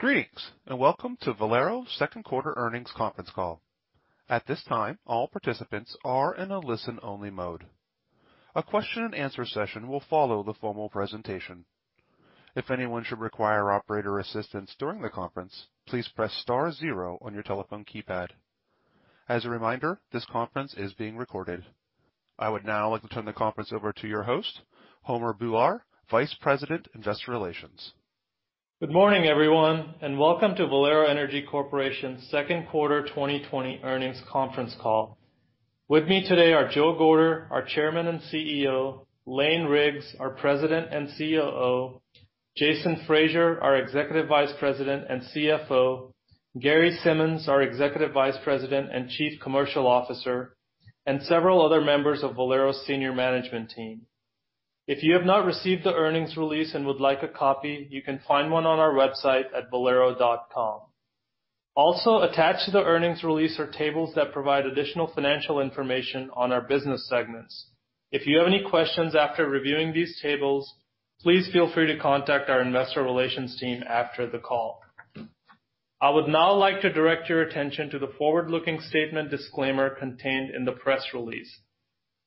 Greetings, welcome to Valero Q2 earnings conference call. At this time, all participants are in a listen-only mode. A question-and-answer session will follow the formal presentation. If anyone should require operator assistance during the conference, please press star zero on your telephone keypad. As a reminder, this conference is being recorded. I would now like to turn the conference over to your host, Homer Bhullar, Vice President, Investor Relations. Good morning, everyone, and welcome to Valero Energy Corporation Q2 2020 earnings conference call. With me today are Joe Gorder, our Chairman and CEO, Lane Riggs, our President and COO, Jason Fraser, our Executive Vice President and CFO, Gary Simmons, our Executive Vice President and Chief Commercial Officer, and several other members of Valero senior management team. If you have not received the earnings release and would like a copy, you can find one on our website at valero.com. Attached to the earnings release are tables that provide additional financial information on our business segments. If you have any questions after reviewing these tables, please feel free to contact our investor relations team after the call. I would now like to direct your attention to the forward-looking statement disclaimer contained in the press release.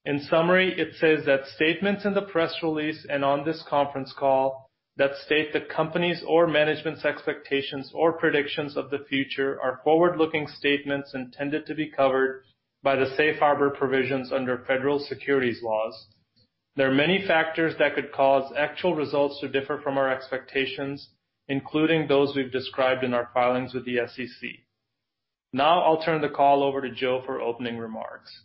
In summary, it says that statements in the press release and on this conference call that state that company's or management's expectations or predictions of the future are forward-looking statements intended to be covered by the safe harbor provisions under federal securities laws. There are many factors that could cause actual results to differ from our expectations, including those we've described in our filings with the SEC. Now, I'll turn the call over to Joe for opening remarks.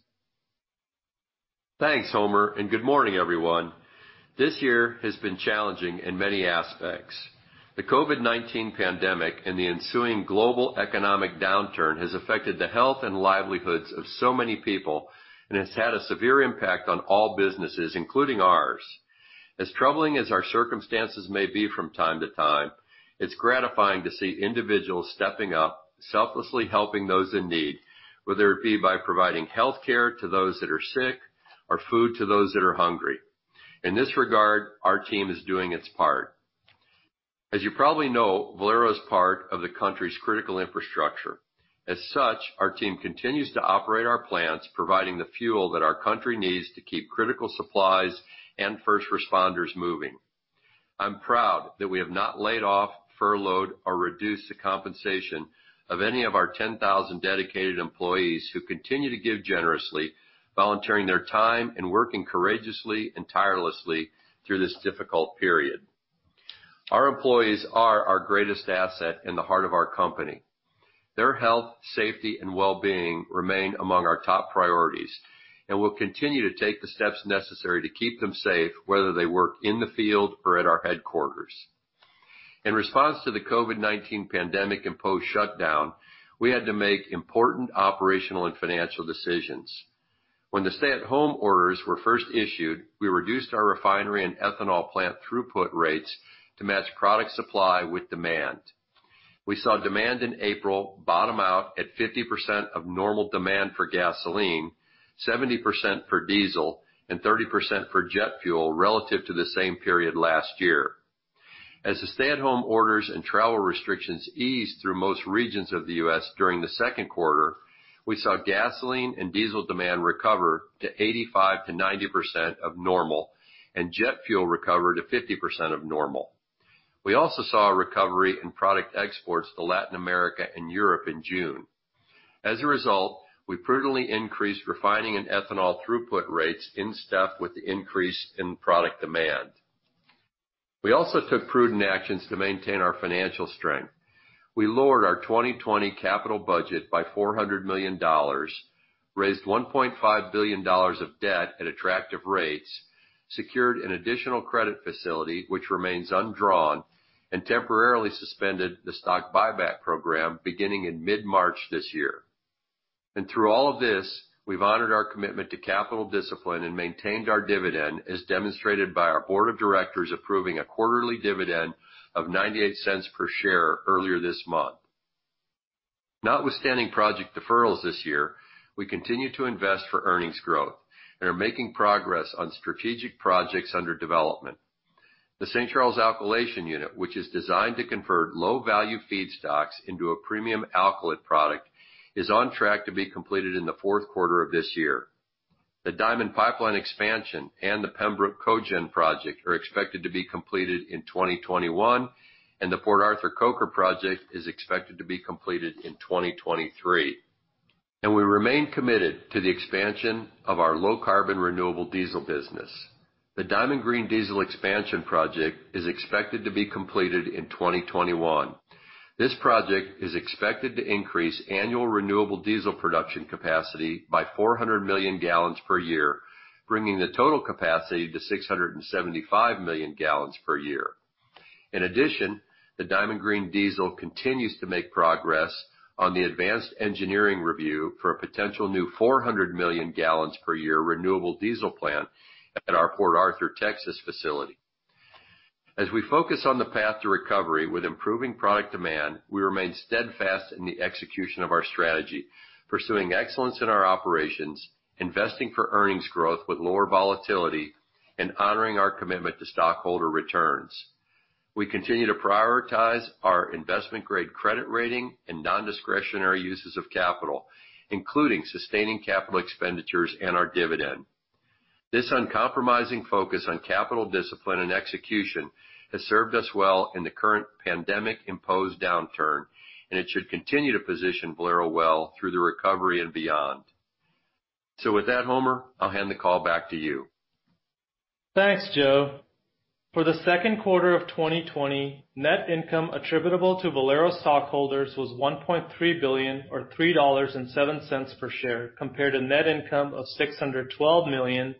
Thanks, Homer. Good morning, everyone. This year has been challenging in many aspects. The COVID-19 pandemic and the ensuing global economic downturn has affected the health and livelihoods of so many people, and it's had a severe impact on all businesses, including ours. As troubling as our circumstances may be from time to time, it's gratifying to see individuals stepping up selflessly helping those in need, whether it be by providing healthcare to those that are sick or food to those that are hungry. In this regard, our team is doing its part. As you probably know, Valero is part of the country's critical infrastructure. As such, our team continues to operate our plants, providing the fuel that our country needs to keep critical supplies and first responders moving. I'm proud that we have not laid off, furloughed, or reduced the compensation of any of our 10,000 dedicated employees who continue to give generously, volunteering their time and working courageously and tirelessly through this difficult period. Our employees are our greatest asset in the heart of our company. Their health, safety, and wellbeing remain among our top priorities, and we'll continue to take the steps necessary to keep them safe, whether they work in the field or at our headquarters. In response to the COVID-19 pandemic-imposed shutdown, we had to make important operational and financial decisions. When the stay-at-home orders were first issued, we reduced our refinery and ethanol plant throughput rates to match product supply with demand. We saw demand in April bottom out at 50% of normal demand for gasoline, 70% for diesel, and 30% for jet fuel relative to the same period last year. As the stay-at-home orders and travel restrictions eased through most regions of the U.S. during the Q2, we saw gasoline and diesel demand recover to 85%-90% of normal, and jet fuel recover to 50% of normal. We also saw a recovery in product exports to Latin America and Europe in June. As a result, we prudently increased refining and ethanol throughput rates in step with the increase in product demand. We also took prudent actions to maintain our financial strength. We lowered our 2020 capital budget by $400 million, raised $1.5 billion of debt at attractive rates, secured an additional credit facility, which remains undrawn, and temporarily suspended the stock buyback program beginning in mid-March this year. Through all of this, we've honored our commitment to capital discipline and maintained our dividend as demonstrated by our board of directors approving a quarterly dividend of $0.98 per share earlier this month. Notwithstanding project deferrals this year, we continue to invest for earnings growth and are making progress on strategic projects under development. The St. Charles Alkylation Unit, which is designed to convert low-value feedstocks into a premium alkylate product, is on track to be completed in the Q4 of this year. The Diamond Pipeline expansion and the Pembroke Cogen project are expected to be completed in 2021, and the Port Arthur Coker project is expected to be completed in 2023. We remain committed to the expansion of our low-carbon renewable diesel business. The Diamond Green Diesel expansion project is expected to be completed in 2021. This project is expected to increase annual renewable diesel production capacity by 400 million gallons per year, bringing the total capacity to 675 million gallons per year. In addition, the Diamond Green Diesel continues to make progress on the advanced engineering review for a potential new 400 million gallons per year renewable diesel plant at our Port Arthur, Texas facility. As we focus on the path to recovery with improving product demand, we remain steadfast in the execution of our strategy, pursuing excellence in our operations, investing for earnings growth with lower volatility, and honoring our commitment to stockholder returns. We continue to prioritize our investment-grade credit rating and non-discretionary uses of capital, including sustaining capital expenditures and our dividend. This uncompromising focus on capital discipline and execution has served us well in the current pandemic-imposed downturn, and it should continue to position Valero well through the recovery and beyond. With that, Homer, I'll hand the call back to you. Thanks, Joe. For the Q2 of 2020, net income attributable to Valero stockholders was $1.3 billion, or $3.07 per share, compared to net income of $612 million,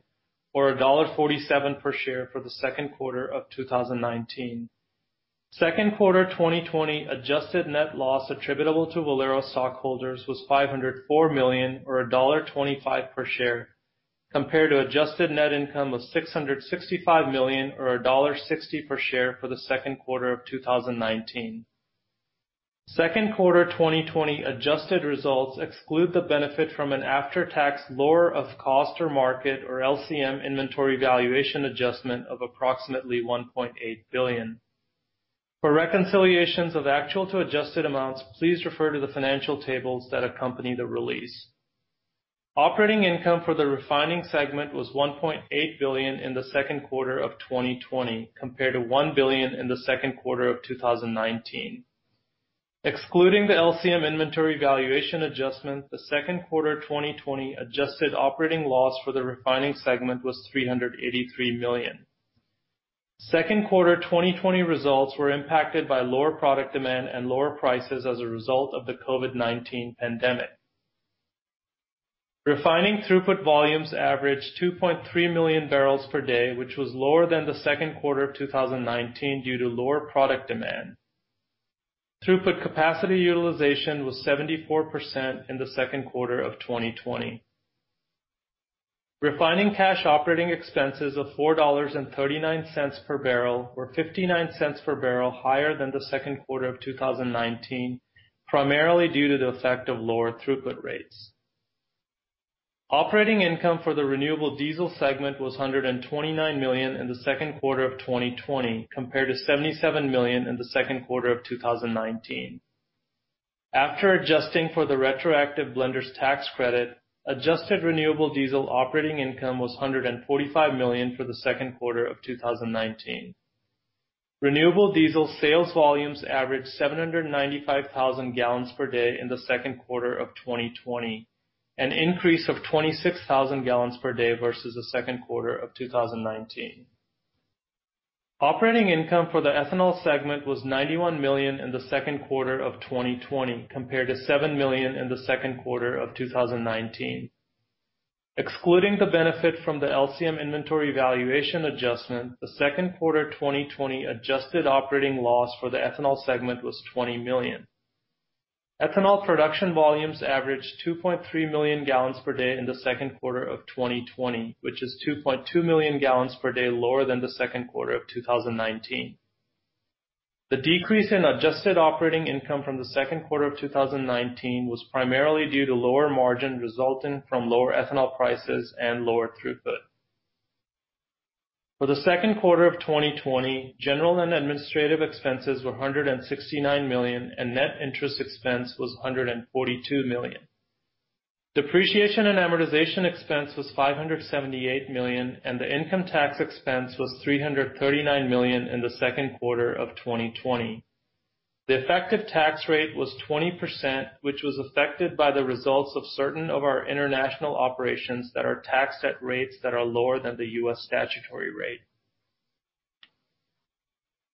or $1.47 per share for the Q2 of 2019. Q2 2020 adjusted net loss attributable to Valero stockholders was $504 million, or $1.25 per share, compared to adjusted net income of $665 million, or $1.60 per share for the Q2 of 2019. Q2 2020 adjusted results exclude the benefit from an after-tax lower of cost or market, or LCM, inventory valuation adjustment of approximately $1.8 billion. For reconciliations of actual to adjusted amounts, please refer to the financial tables that accompany the release. Operating income for the refining segment was $1.8 billion in the Q2 of 2020 compared to $1 billion in the Q2 of 2019. Excluding the LCM inventory valuation adjustment, the Q2 2020 adjusted operating loss for the refining segment was $383 million. Q2 2020 results were impacted by lower product demand and lower prices as a result of the COVID-19 pandemic. Refining throughput volumes averaged 2.3 million barrels per day, which was lower than the Q2 of 2019 due to lower product demand. Throughput capacity utilization was 74% in the Q2 of 2020. Refining cash operating expenses of $4.39 per barrel were $0.59 per barrel higher than the Q2 of 2019, primarily due to the effect of lower throughput rates. Operating income for the renewable diesel segment was $129 million in the Q2 of 2020 compared to $77 million in the Q2 of 2019. After adjusting for the retroactive blenders tax credit, adjusted renewable diesel operating income was $145 million for the Q2 of 2019. Renewable diesel sales volumes averaged 795,000 gallons per day in the Q2 of 2020, an increase of 26,000 gallons per day versus the Q2 of 2019. Operating income for the ethanol segment was $91 million in the Q2 of 2020 compared to $7 million in the Q2 of 2019. Excluding the benefit from the LCM inventory valuation adjustment, the Q2 2020 adjusted operating loss for the ethanol segment was $20 million. Ethanol production volumes averaged 2.3 million gallons per day in the second quarter of 2020, which is 2.2 million gallons per day lower than the Q2 of 2019. The decrease in adjusted operating income from the Q2 of 2019 was primarily due to lower margin resulting from lower ethanol prices and lower throughput. For the Q2 of 2020, general and administrative expenses were $169 million, and net interest expense was $142 million. Depreciation and amortization expense was $578 million, and the income tax expense was $339 million in the Q2 of 2020. The effective tax rate was 20%, which was affected by the results of certain of our international operations that are taxed at rates that are lower than the U.S. statutory rate.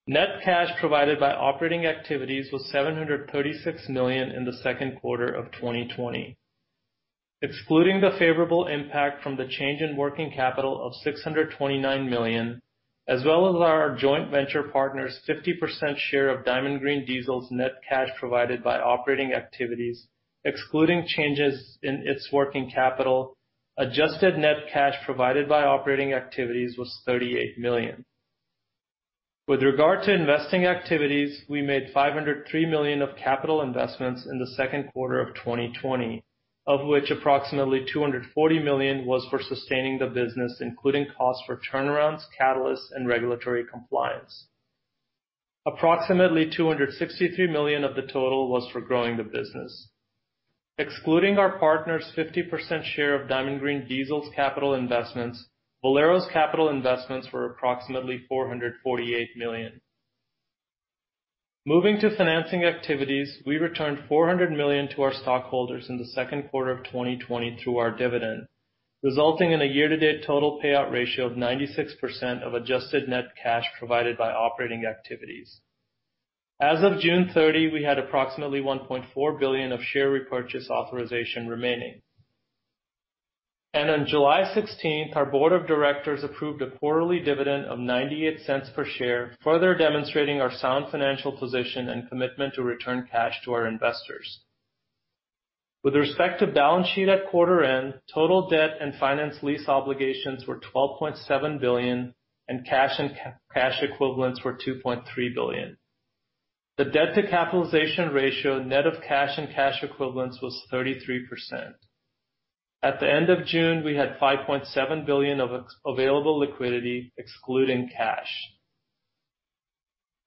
Net cash provided by operating activities was $736 million in the Q2 of 2020. Excluding the favorable impact from the change in working capital of $629 million, as well as our joint venture partner's 50% share of Diamond Green Diesel's net cash provided by operating activities, excluding changes in its working capital, adjusted net cash provided by operating activities was $38 million. With regard to investing activities, we made $503 million of capital investments in the Q2 of 2020, of which approximately $240 million was for sustaining the business, including costs for turnarounds, catalysts, and regulatory compliance. Approximately $263 million of the total was for growing the business. Excluding our partner's 50% share of Diamond Green Diesel's capital investments, Valero's capital investments were approximately $448 million. Moving to financing activities, we returned $400 million to our stockholders in the Q2 of 2020 through our dividend, resulting in a year-to-date total payout ratio of 96% of adjusted net cash provided by operating activities. As of June 30, we had approximately $1.4 billion of share repurchase authorization remaining. On July 16th, our board of directors approved a quarterly dividend of $0.98 per share, further demonstrating our sound financial position and commitment to return cash to our investors. With respect to balance sheet at quarter end, total debt and finance lease obligations were $12.7 billion, and cash and cash equivalents were $2.3 billion. The debt to capitalization ratio net of cash and cash equivalents was 33%. At the end of June, we had $5.7 billion of available liquidity excluding cash.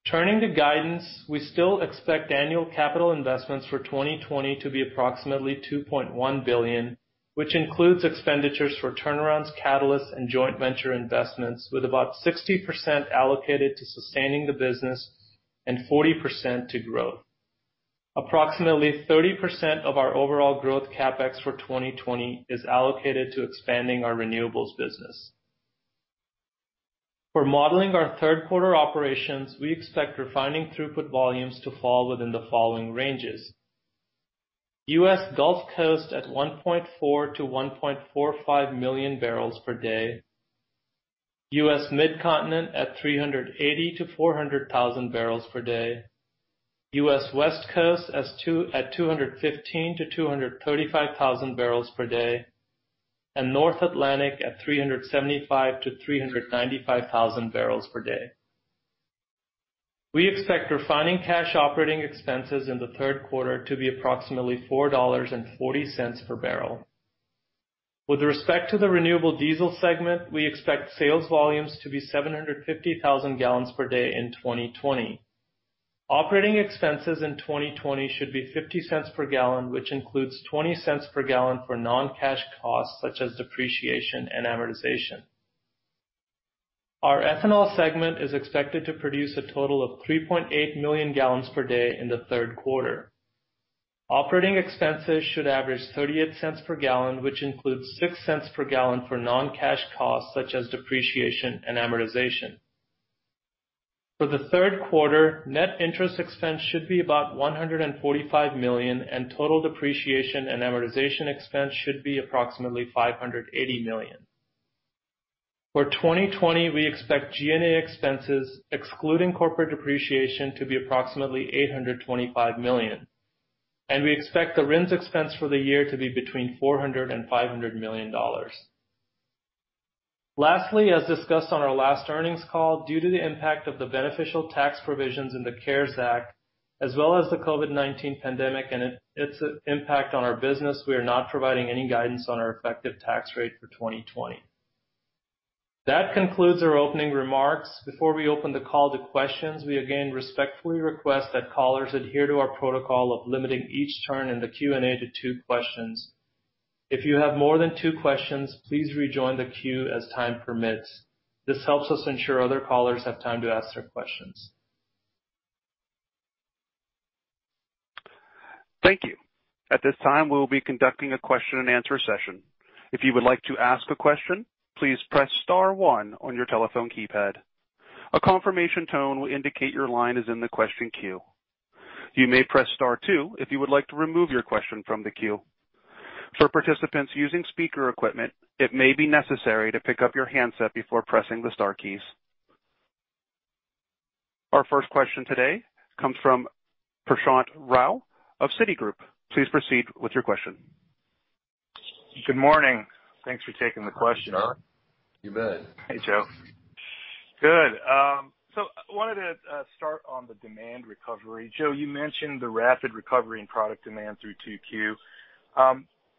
Turning to guidance, we still expect annual capital investments for 2020 to be approximately $2.1 billion, which includes expenditures for turnarounds, catalysts, and joint venture investments, with about 60% allocated to sustaining the business and 40% to growth. Approximately 30% of our overall growth CapEx for 2020 is allocated to expanding our renewables business. For modeling our Q3 operations, we expect refining throughput volumes to fall within the following ranges: U.S. Gulf Coast at 1.4-1.45 million barrels per day, U.S. Mid-Continent at 380,000-400,000 barrels per day, U.S. West Coast at 215,000-235,000 barrels per day, and North Atlantic at 375,000-395,000 barrels per day. We expect refining cash operating expenses in the Q3 to be approximately $4.40 per barrel. With respect to the renewable diesel segment, we expect sales volumes to be 750,000 gallons per day in 2020. Operating expenses in 2020 should be $0.50 per gallon, which includes $0.20 per gallon for non-cash costs such as depreciation and amortization. Our ethanol segment is expected to produce a total of 3.8 million gallons per day in the Q3. Operating expenses should average $0.38 per gallon, which includes $0.06 per gallon for non-cash costs, such as depreciation and amortization. For the Q3, net interest expense should be about $145 million, and total depreciation and amortization expense should be approximately $580 million. For 2020, we expect G&A expenses, excluding corporate depreciation, to be approximately $825 million. We expect the RINs expense for the year to be between $400 and $500 million. Lastly, as discussed on our last earnings call, due to the impact of the beneficial tax provisions in the CARES Act, as well as the COVID-19 pandemic and its impact on our business, we are not providing any guidance on our effective tax rate for 2020. That concludes our opening remarks. Before we open the call to questions, we again respectfully request that callers adhere to our protocol of limiting each turn in the Q&A to two questions. If you have more than two questions, please rejoin the queue as time permits. This helps us ensure other callers have time to ask their questions. Thank you. At this time, we will be conducting a question and answer session. If you would like to ask a question, please press star one on your telephone keypad. A confirmation tone will indicate your line is in the question queue. You may press star two if you would like to remove your question from the queue. For participants using speaker equipment, it may be necessary to pick up your handset before pressing the star keys. Our first question today comes from Prashant Rao of Citigroup. Please proceed with your question. Good morning. Thanks for taking the question. You bet. Hey, Joe. Good. I wanted to start on the demand recovery. Joe, you mentioned the rapid recovery in product demand through 2Q.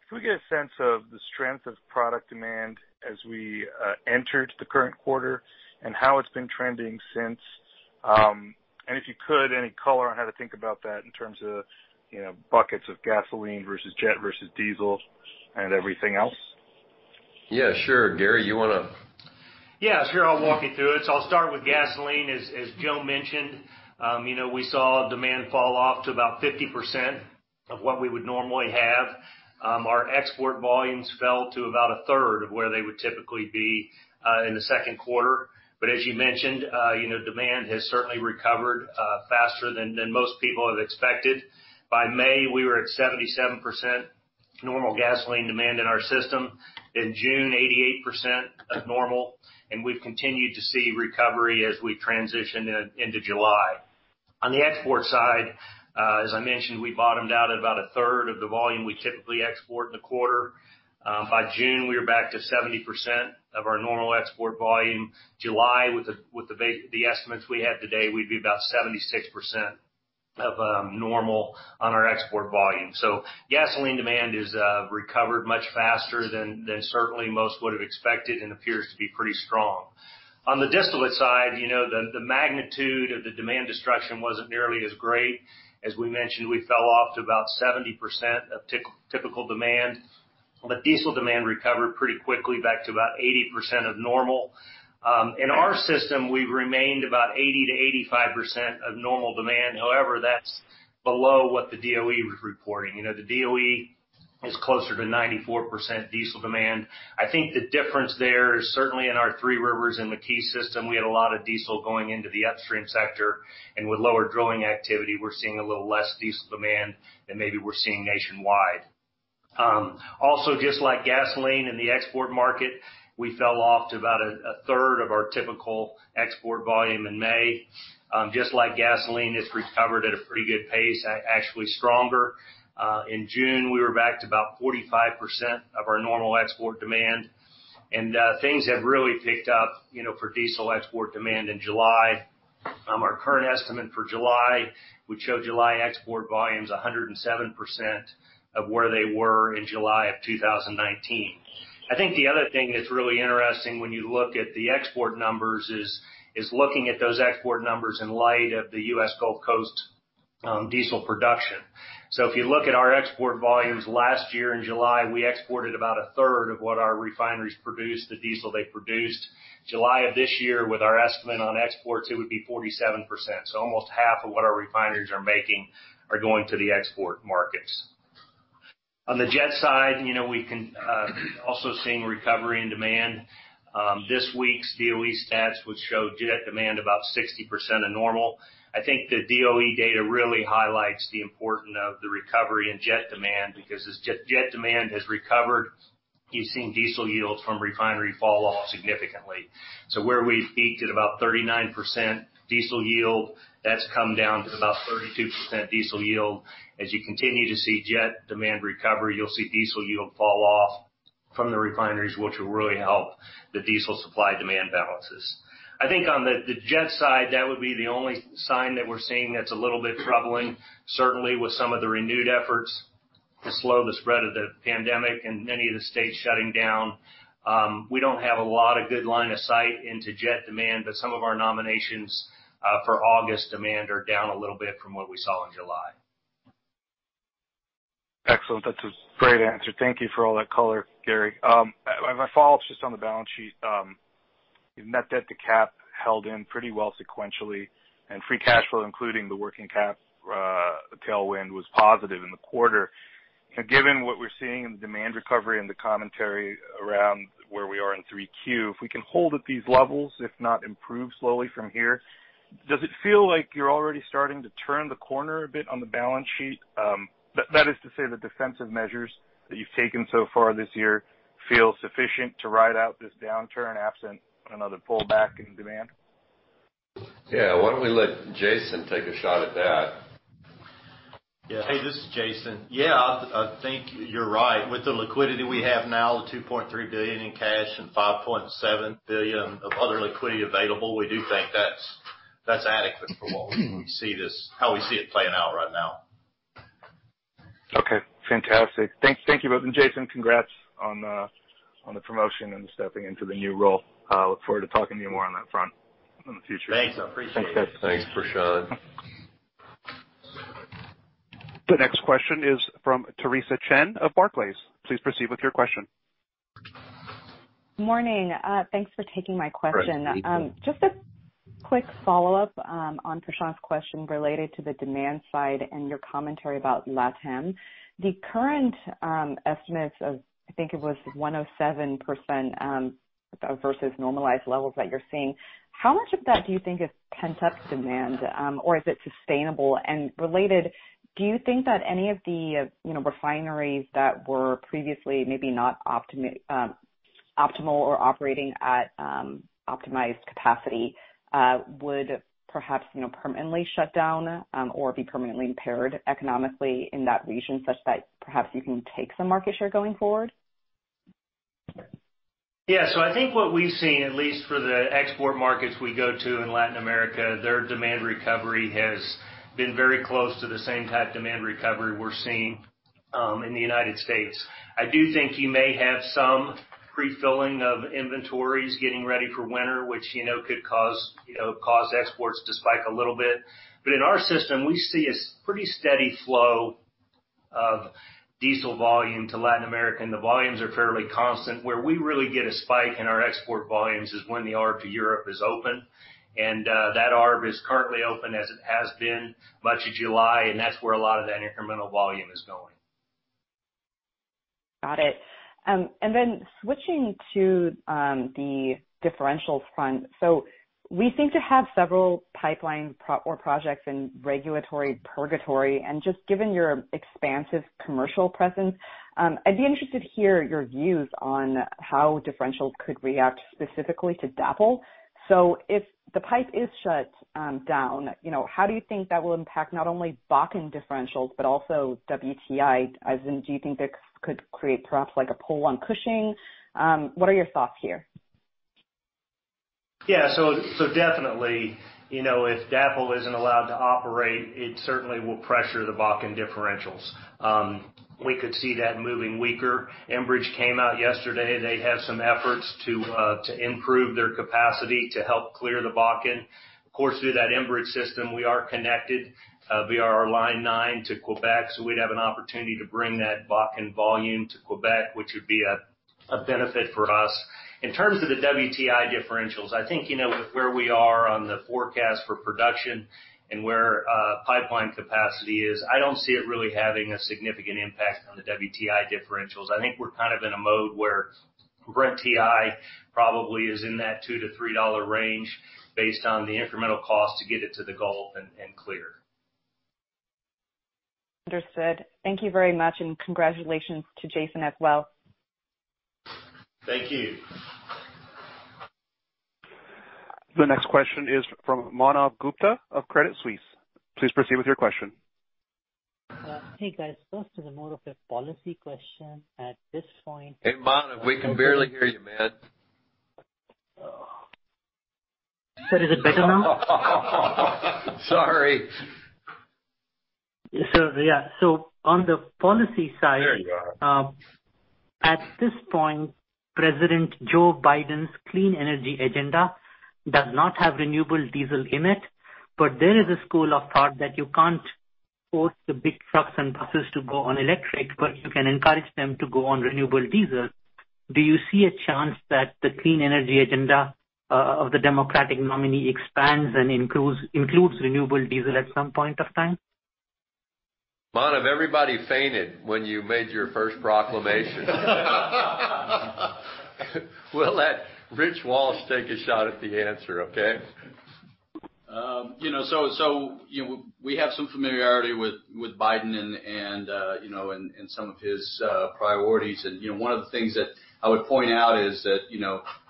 Can we get a sense of the strength of product demand as we entered the current quarter, and how it's been trending since? If you could, any color on how to think about that in terms of buckets of gasoline versus jet versus diesel and everything else? Yeah, sure. Gary, you want to? Yeah, sure. I'll walk you through it. I'll start with gasoline. As Joe mentioned, we saw demand fall off to about 50% of what we would normally have. Our export volumes fell to about a third of where they would typically be, in the Q2. As you mentioned, demand has certainly recovered faster than most people have expected. By May, we were at 77% normal gasoline demand in our system. In June, 88% of normal, we've continued to see recovery as we transition into July. On the export side, as I mentioned, we bottomed out at about a third of the volume we typically export in the quarter. By June, we were back to 70% of our normal export volume. July, with the estimates we have today, we'd be about 76% of normal on our export volume. Gasoline demand has recovered much faster than certainly most would have expected and appears to be pretty strong. On the distillate side, the magnitude of the demand destruction wasn't nearly as great. As we mentioned, we fell off to about 70% of typical demand. Diesel demand recovered pretty quickly back to about 80% of normal. In our system, we've remained about 80%-85% of normal demand. However, that's below what the DOE was reporting. The DOE is closer to 94% diesel demand. I think the difference there is certainly in our Three Rivers and McKee system, we had a lot of diesel going into the upstream sector, and with lower drilling activity, we're seeing a little less diesel demand than maybe we're seeing nationwide. Also, just like gasoline in the export market, we fell off to about a third of our typical export volume in May. Just like gasoline, it's recovered at a pretty good pace, actually stronger. In June, we were back to about 45% of our normal export demand. Things have really picked up for diesel export demand in July. Our current estimate for July, which show July export volumes 107% of where they were in July of 2019. I think the other thing that's really interesting when you look at the export numbers is looking at those export numbers in light of the U.S. Gulf Coast diesel production. If you look at our export volumes last year in July, we exported about a third of what our refineries produced, the diesel they produced. July of this year, with our estimate on exports, it would be 47%. Almost half of what our refineries are making are going to the export markets. On the jet side, also seeing recovery and demand. This week's DOE stats, which show jet demand about 60% of normal. I think the DOE data really highlights the importance of the recovery in jet demand, because as jet demand has recovered, you've seen diesel yields from refineries fall off significantly. Where we've peaked at about 39% diesel yield, that's come down to about 32% diesel yield. As you continue to see jet demand recovery, you'll see diesel yield fall off from the refineries, which will really help the diesel supply-demand balances. I think on the jet side, that would be the only sign that we're seeing that's a little bit troubling. Certainly, with some of the renewed efforts to slow the spread of the pandemic and many of the states shutting down. We don't have a lot of good line of sight into jet demand, but some of our nominations for August demand are down a little bit from what we saw in July. Excellent. That's a great answer. Thank you for all that color, Gary. My follow-up's just on the balance sheet. You've net debt to cap held in pretty well sequentially, and free cash flow, including the working cap tailwind, was positive in the quarter. Given what we're seeing in the demand recovery and the commentary around where we are in 3Q, if we can hold at these levels, if not improve slowly from here, does it feel like you're already starting to turn the corner a bit on the balance sheet? That is to say, the defensive measures that you've taken so far this year feel sufficient to ride out this downturn absent another pullback in demand? Yeah. Why don't we let Jason take a shot at that? Yeah. Hey, this is Jason. Yeah. I think you're right. With the liquidity we have now, the $2.3 billion in cash and $5.7 billion of other liquidity available, we do think that's adequate for how we see it playing out right now. Okay. Fantastic. Thanks. Thank you both. Jason, congrats on the promotion and stepping into the new role. I look forward to talking to you more on that front in the future. Thanks. I appreciate it. Thanks, Prashant. The next question is from Theresa Chen of Barclays. Please proceed with your question. Morning. Thanks for taking my question. Great. Thank you. Just a quick follow-up on Prashant's question related to the demand side and your commentary about LATAM. The current estimates of, I think it was 107%, versus normalized levels that you're seeing, how much of that do you think is pent-up demand? Or is it sustainable? Related, do you think that any of the refineries that were previously maybe not optimal or operating at optimized capacity would perhaps permanently shut down or be permanently impaired economically in that region, such that perhaps you can take some market share going forward? Yeah. I think what we've seen, at least for the export markets we go to in Latin America, their demand recovery has been very close to the same type of demand recovery we're seeing in the U.S. I do think you may have some pre-filling of inventories getting ready for winter, which could cause exports to spike a little bit. In our system, we see a pretty steady flow of diesel volume to Latin America, and the volumes are fairly constant. Where we really get a spike in our export volumes is when the arb to Europe is open. That arb is currently open as it has been much of July, and that's where a lot of that incremental volume is going. Got it. Then switching to the differentials front. We seem to have several pipeline or projects in regulatory purgatory, and just given your expansive commercial presence, I'd be interested to hear your views on how differentials could react specifically to DAPL. If the pipe is shut down, how do you think that will impact not only Bakken differentials, but also WTI, as in, do you think that could create perhaps like a pull on Cushing? What are your thoughts here? Definitely, if DAPL isn't allowed to operate, it certainly will pressure the Bakken differentials. We could see that moving weaker. Enbridge came out yesterday. They have some efforts to improve their capacity to help clear the Bakken. Of course, through that Enbridge system, we are connected via our Line nine to Quebec, we'd have an opportunity to bring that Bakken volume to Quebec, which would be a benefit for us. In terms of the WTI differentials, I think with where we are on the forecast for production and where pipeline capacity is, I don't see it really having a significant impact on the WTI differentials. I think we're kind of in a mode where Brent-TI probably is in that $2-$3 range based on the incremental cost to get it to the Gulf and clear. Understood. Thank you very much, and congratulations to Jason as well. Thank you. The next question is from Manav Gupta of Credit Suisse. Please proceed with your question. Hey guys, first is more of a policy question at this point. Hey, Manav, we can barely hear you, man. Oh. Sir, is it better now? Sorry. Yeah. On the policy side. There you are. At this point, President Joe Biden's clean energy agenda does not have renewable diesel in it. There is a school of thought that you can't force the big trucks and buses to go on electric, but you can encourage them to go on renewable diesel. Do you see a chance that the clean energy agenda of the Democratic nominee expands and includes renewable diesel at some point of time? Manav, everybody fainted when you made your first proclamation. We'll let Rich Walsh take a shot at the answer, okay? We have some familiarity with Biden and some of his priorities. One of the things that I would point out is that,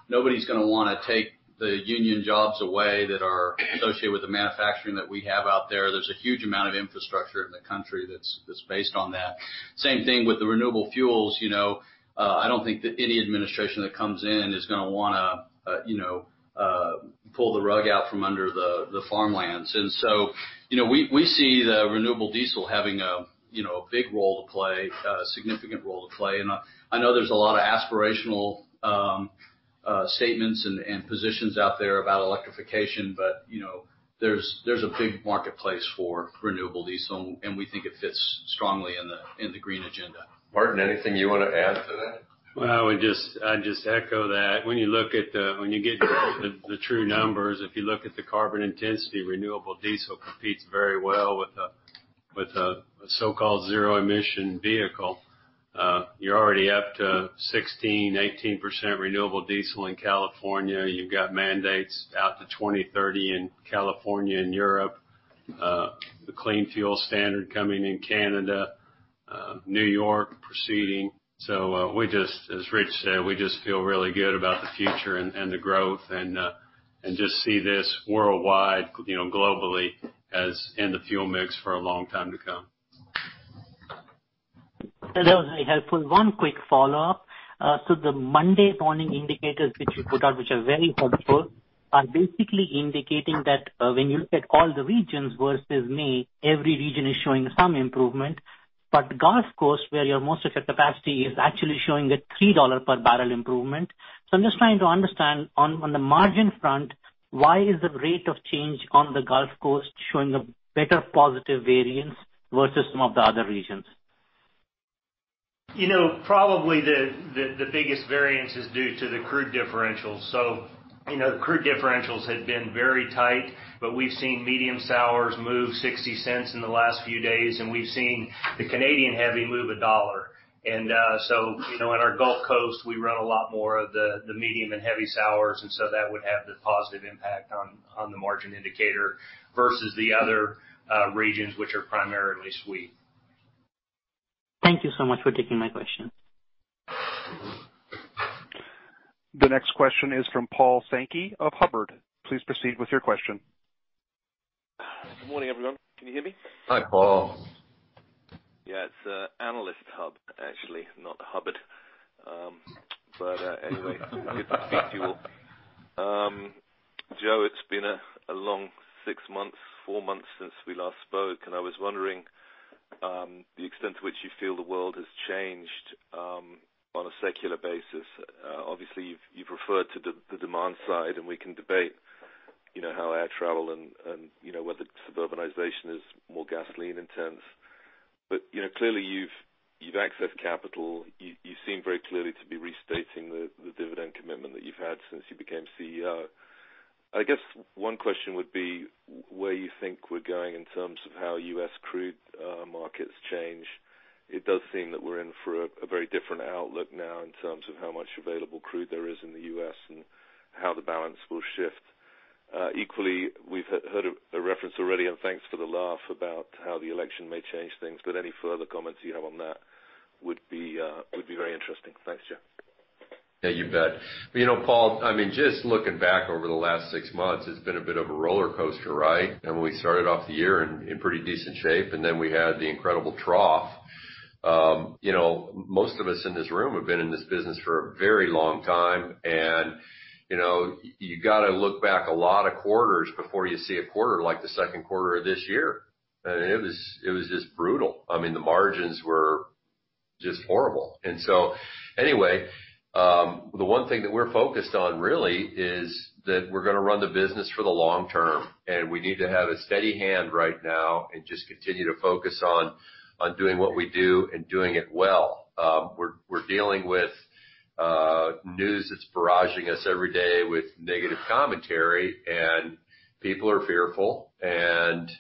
nobody's going to want to take the union jobs away that are associated with the manufacturing that we have out there. There's a huge amount of infrastructure in the country that's based on that. Same thing with the renewable fuels. I don't think that any administration that comes in is going to want to pull the rug out from under the farmlands. We see the renewable diesel having a big role to play, a significant role to play. I know there's a lot of aspirational statements and positions out there about electrification, but there's a big marketplace for renewable diesel, and we think it fits strongly in the green agenda. Martin, anything you want to add to that? Well, I'd just echo that. When you get the true numbers, if you look at the carbon intensity, renewable diesel competes very well with a so-called zero-emission vehicle. You're already up to 16%, 18% renewable diesel in California. You've got mandates out to 2030 in California and Europe. The clean fuel standard coming in Canada. New York proceeding. As Rich said, we just feel really good about the future and the growth and just see this worldwide, globally, in the fuel mix for a long time to come. That was very helpful. One quick follow-up. The Monday morning indicators which you put out, which are very helpful, are basically indicating that when you look at all the regions versus May, every region is showing some improvement. The Gulf Coast, where you have most of your capacity, is actually showing a $3 per barrel improvement. I'm just trying to understand on the margin front, why is the rate of change on the Gulf Coast showing a better positive variance versus some of the other regions? Probably the biggest variance is due to the crude differentials. The crude differentials had been very tight, but we've seen medium sours move $0.60 in the last few days, and we've seen the Canadian heavy move $1. In our Gulf Coast, we run a lot more of the medium and heavy sours. That would have the positive impact on the margin indicator versus the other regions, which are primarily sweet. Thank you so much for taking my question. The next question is from Paul Sankey of Sankey Research. Please proceed with your question. Good morning, everyone. Can you hear me? Hi, Paul. Yeah, it's Analyst Hub, actually, not Hubbard. Anyway, good to see you all. Joe, it's been a long six months, four months since we last spoke, and I was wondering the extent to which you feel the world has changed on a secular basis. Obviously, you've referred to the demand side, and we can debate how air travel and whether suburbanization is more gasoline intense. Clearly you've accessed capital. You seem very clearly to be restating the dividend commitment that you've had since you became CEO. I guess one question would be where you think we're going in terms of how U.S. crude markets change. It does seem that we're in for a very different outlook now in terms of how much available crude there is in the U.S. and how the balance will shift. We've heard a reference already, and thanks for the laugh about how the election may change things, but any further comments you have on that would be very interesting. Thanks, Joe. Yeah, you bet. Paul, just looking back over the last six months, it's been a bit of a roller coaster ride. When we started off the year in pretty decent shape, we had the incredible trough. Most of us in this room have been in this business for a very long time, and you got to look back a lot of quarters before you see a quarter like the second quarter of this year. It was just brutal. The margins were just horrible. Anyway, the one thing that we're focused on really is that we're going to run the business for the long term, and we need to have a steady hand right now and just continue to focus on doing what we do and doing it well. We're dealing with news that's barraging us every day with negative commentary, and people are fearful, and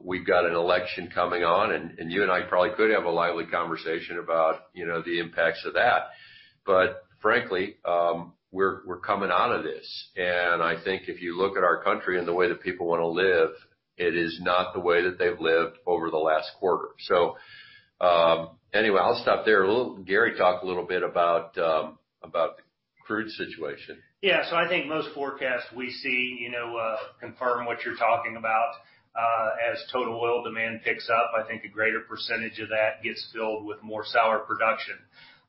we've got an election coming on, and you and I probably could have a lively conversation about the impacts of that. Frankly, we're coming out of this. I think if you look at our country and the way that people want to live, it is not the way that they've lived over the last quarter. Anyway, I'll stop there. Gary, talk a little bit about the crude situation. I think most forecasts we see confirm what you're talking about. As total oil demand picks up, I think a greater percentage of that gets filled with more sour production.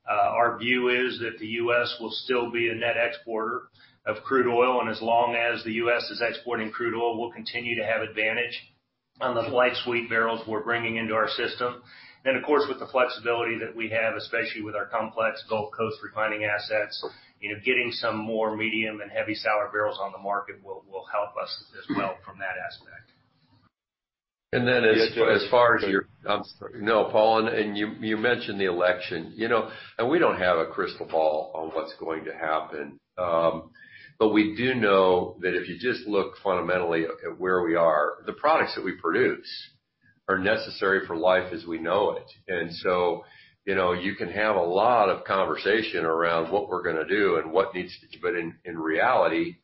Our view is that the U.S. will still be a net exporter of crude oil, and as long as the U.S. is exporting crude oil, we'll continue to have advantage on the light sweet barrels we're bringing into our system. Of course, with the flexibility that we have, especially with our complex Gulf Coast refining assets, getting some more medium and heavy sour barrels on the market will help us as well from that aspect. As far as your Yeah, Joe. I'm sorry. No, Paul, you mentioned the election. We don't have a crystal ball on what's going to happen. We do know that if you just look fundamentally at where we are, the products that we produce are necessary for life as we know it. You can have a lot of conversation around what we're going to do and what needs to be. In reality,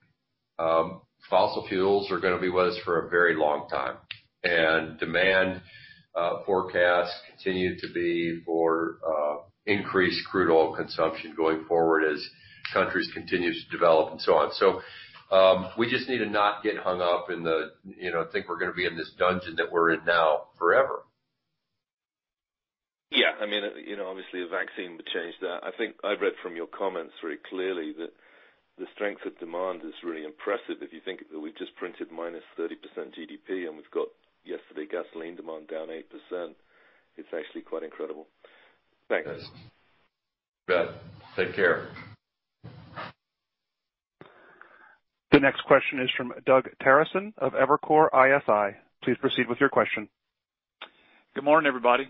fossil fuels are going to be with us for a very long time. Demand forecasts continue to be for increased crude oil consumption going forward as countries continue to develop and so on. We just need to not get hung up in the, think we're going to be in this dungeon that we're in now forever. Yeah. Obviously, a vaccine would change that. I think I've read from your comments very clearly that the strength of demand is really impressive if you think that we just printed minus 30% GDP, and we've got yesterday gasoline demand down eight percent. It's actually quite incredible. Thanks. Yes. You bet. Take care. The next question is from Doug Terreson of Evercore ISI. Please proceed with your question. Good morning, everybody.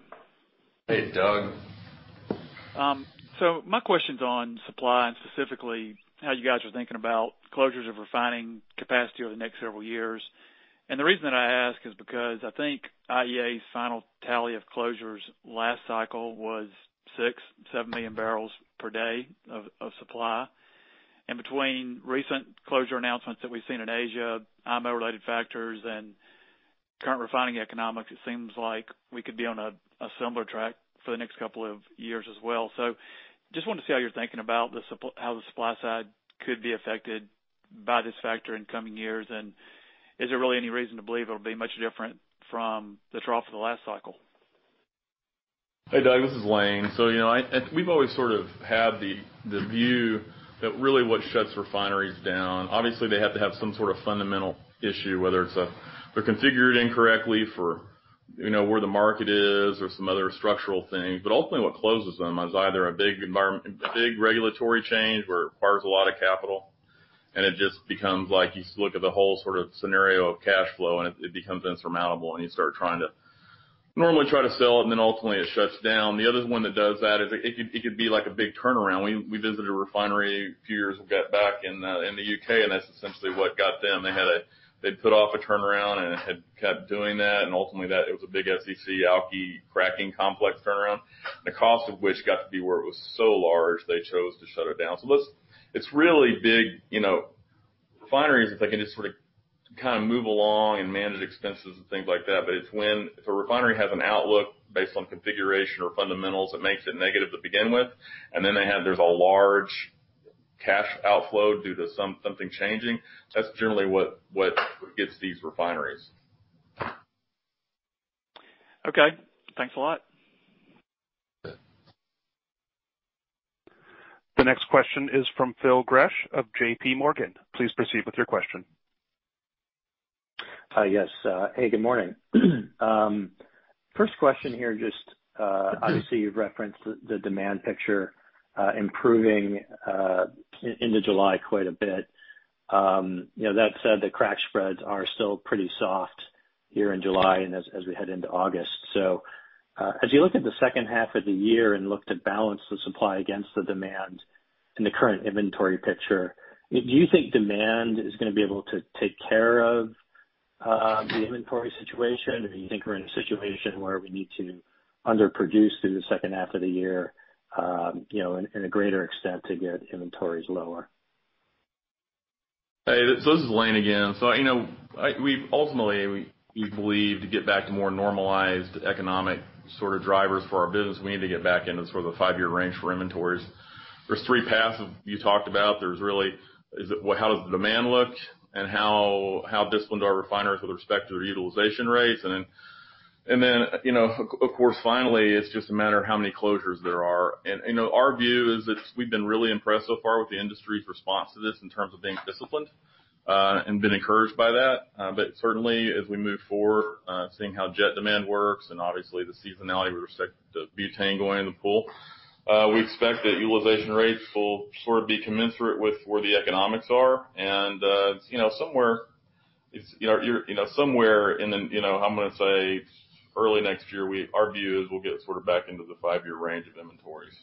Hey, Doug. My question's on supply and specifically how you guys are thinking about closures of refining capacity over the next several years. The reason that I ask is because I think IEA's final tally of closures last cycle was six million-seven million barrels per day of supply. Between recent closure announcements that we've seen in Asia, IMO-related factors, and current refining economics, it seems like we could be on a similar track for the next couple of years as well. Just wanted to see how you're thinking about how the supply side could be affected by this factor in coming years. Is there really any reason to believe it'll be much different from the trough of the last cycle? Hey, Doug, this is Lane. We've always sort of had the view that really what shuts refineries down, obviously, they have to have some sort of fundamental issue, whether they're configured incorrectly for where the market is or some other structural thing. Ultimately, what closes them is either a big regulatory change where it requires a lot of capital, and it just becomes like, you look at the whole scenario of cash flow, and it becomes insurmountable, and you start trying to normally try to sell it, and then ultimately it shuts down. The other one that does that is, it could be like a big turnaround. We visited a refinery a few years back in the U.K., and that's essentially what got them. They'd put off a turnaround, and it had kept doing that, and ultimately it was a big FCC alky cracking complex turnaround. The cost of which got to be where it was so large they chose to shut it down. It's really big refineries, if they can just sort of move along and manage expenses and things like that. It's when if a refinery has an outlook based on configuration or fundamentals that makes it negative to begin with, and then there's a large cash outflow due to something changing. That's generally what gets these refineries. Okay. Thanks a lot. You bet. The next question is from Phil Gresh of JP Morgan. Please proceed with your question. Yes. Hey, good morning. First question here, just obviously, you've referenced the demand picture improving into July quite a bit. That said, the crack spreads are still pretty soft here in July and as we head into August. As you look at the second half of the year and look to balance the supply against the demand and the current inventory picture, do you think demand is going to be able to take care of the inventory situation? Do you think we're in a situation where we need to underproduce through the second half of the year in a greater extent to get inventories lower? Hey, this is Lane again. Ultimately, we believe to get back to more normalized economic sort of drivers for our business, we need to get back into sort of the five-year range for inventories. There's three paths you talked about. There's really, how does the demand look? How disciplined are refiners with respect to their utilization rates? Of course, finally, it's just a matter of how many closures there are. Our view is that we've been really impressed so far with the industry's response to this in terms of being disciplined, and been encouraged by that. Certainly, as we move forward, seeing how jet demand works and obviously the seasonality with respect to butane going in the pool, we expect that utilization rates will sort of be commensurate with where the economics are. Somewhere in the, I'm going to say early next year, our view is we'll get sort of back into the five-year range of inventories.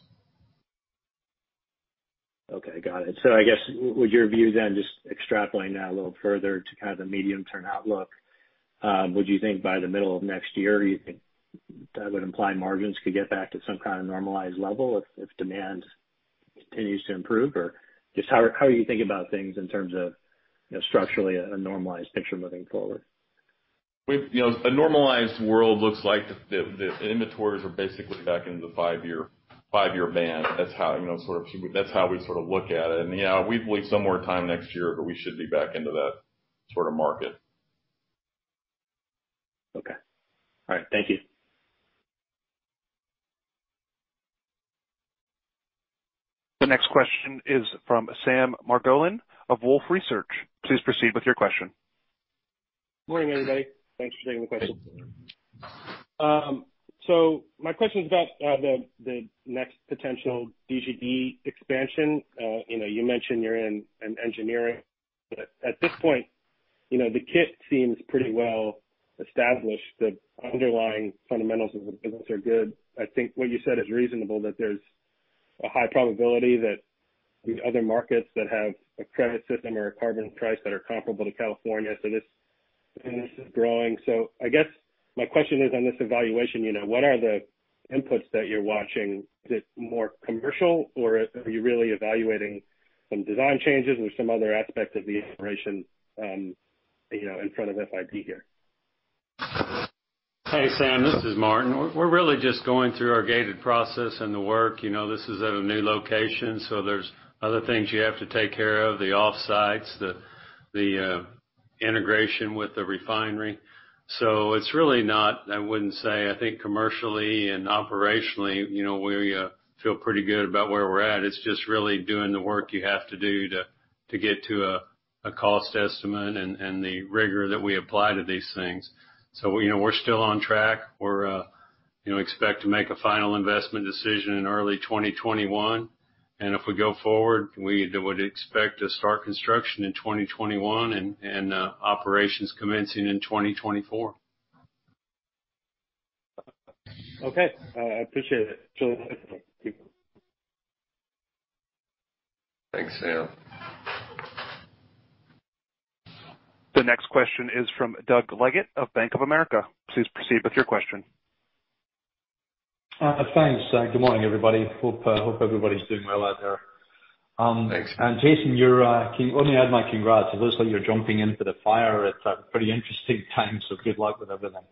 Okay, got it. I guess, would your view then, just extrapolating that a little further to kind of the medium-term outlook, would you think by the middle of next year, that would imply margins could get back to some kind of normalized level if demand continues to improve? Just how are you thinking about things in terms of structurally a normalized picture moving forward? A normalized world looks like the inventories are basically back into the five-year band. That's how we sort of look at it. Yeah, we believe some more time next year, but we should be back into that sort of market. Okay. All right. Thank you. The next question is from Sam Margolin of Wolfe Research. Please proceed with your question. Morning, everybody. Thanks for taking the question. My question is about the next potential DGD expansion. You mentioned you're in engineering, at this point, the kit seems pretty well established. The underlying fundamentals of the business are good. I think what you said is reasonable, that there's a high probability that these other markets that have a credit system or a carbon price that are comparable to California, this is growing. I guess my question is on this evaluation, what are the inputs that you're watching? Is it more commercial, or are you really evaluating some design changes or some other aspect of the integration in front of FID here? Hey, Sam, this is Martin. We're really just going through our gated process and the work. This is at a new location, so there's other things you have to take care of, the offsites, the integration with the refinery. It's really not, I wouldn't say I think commercially and operationally, we feel pretty good about where we're at. It's just really doing the work you have to do to get to a cost estimate and the rigor that we apply to these things. We're still on track. We expect to make a final investment decision in early 2021. If we go forward, we would expect to start construction in 2021 and operations commencing in 2024. Okay. I appreciate it. It is really helpful. Thank you. Thanks, Sam. The next question is from Doug Leggate of Bank of America. Please proceed with your question. Thanks. Good morning, everybody. Hope everybody's doing well out there. Thanks. Jason, let me add my congrats. It looks like you're jumping into the fire at a pretty interesting time. Good luck with everything.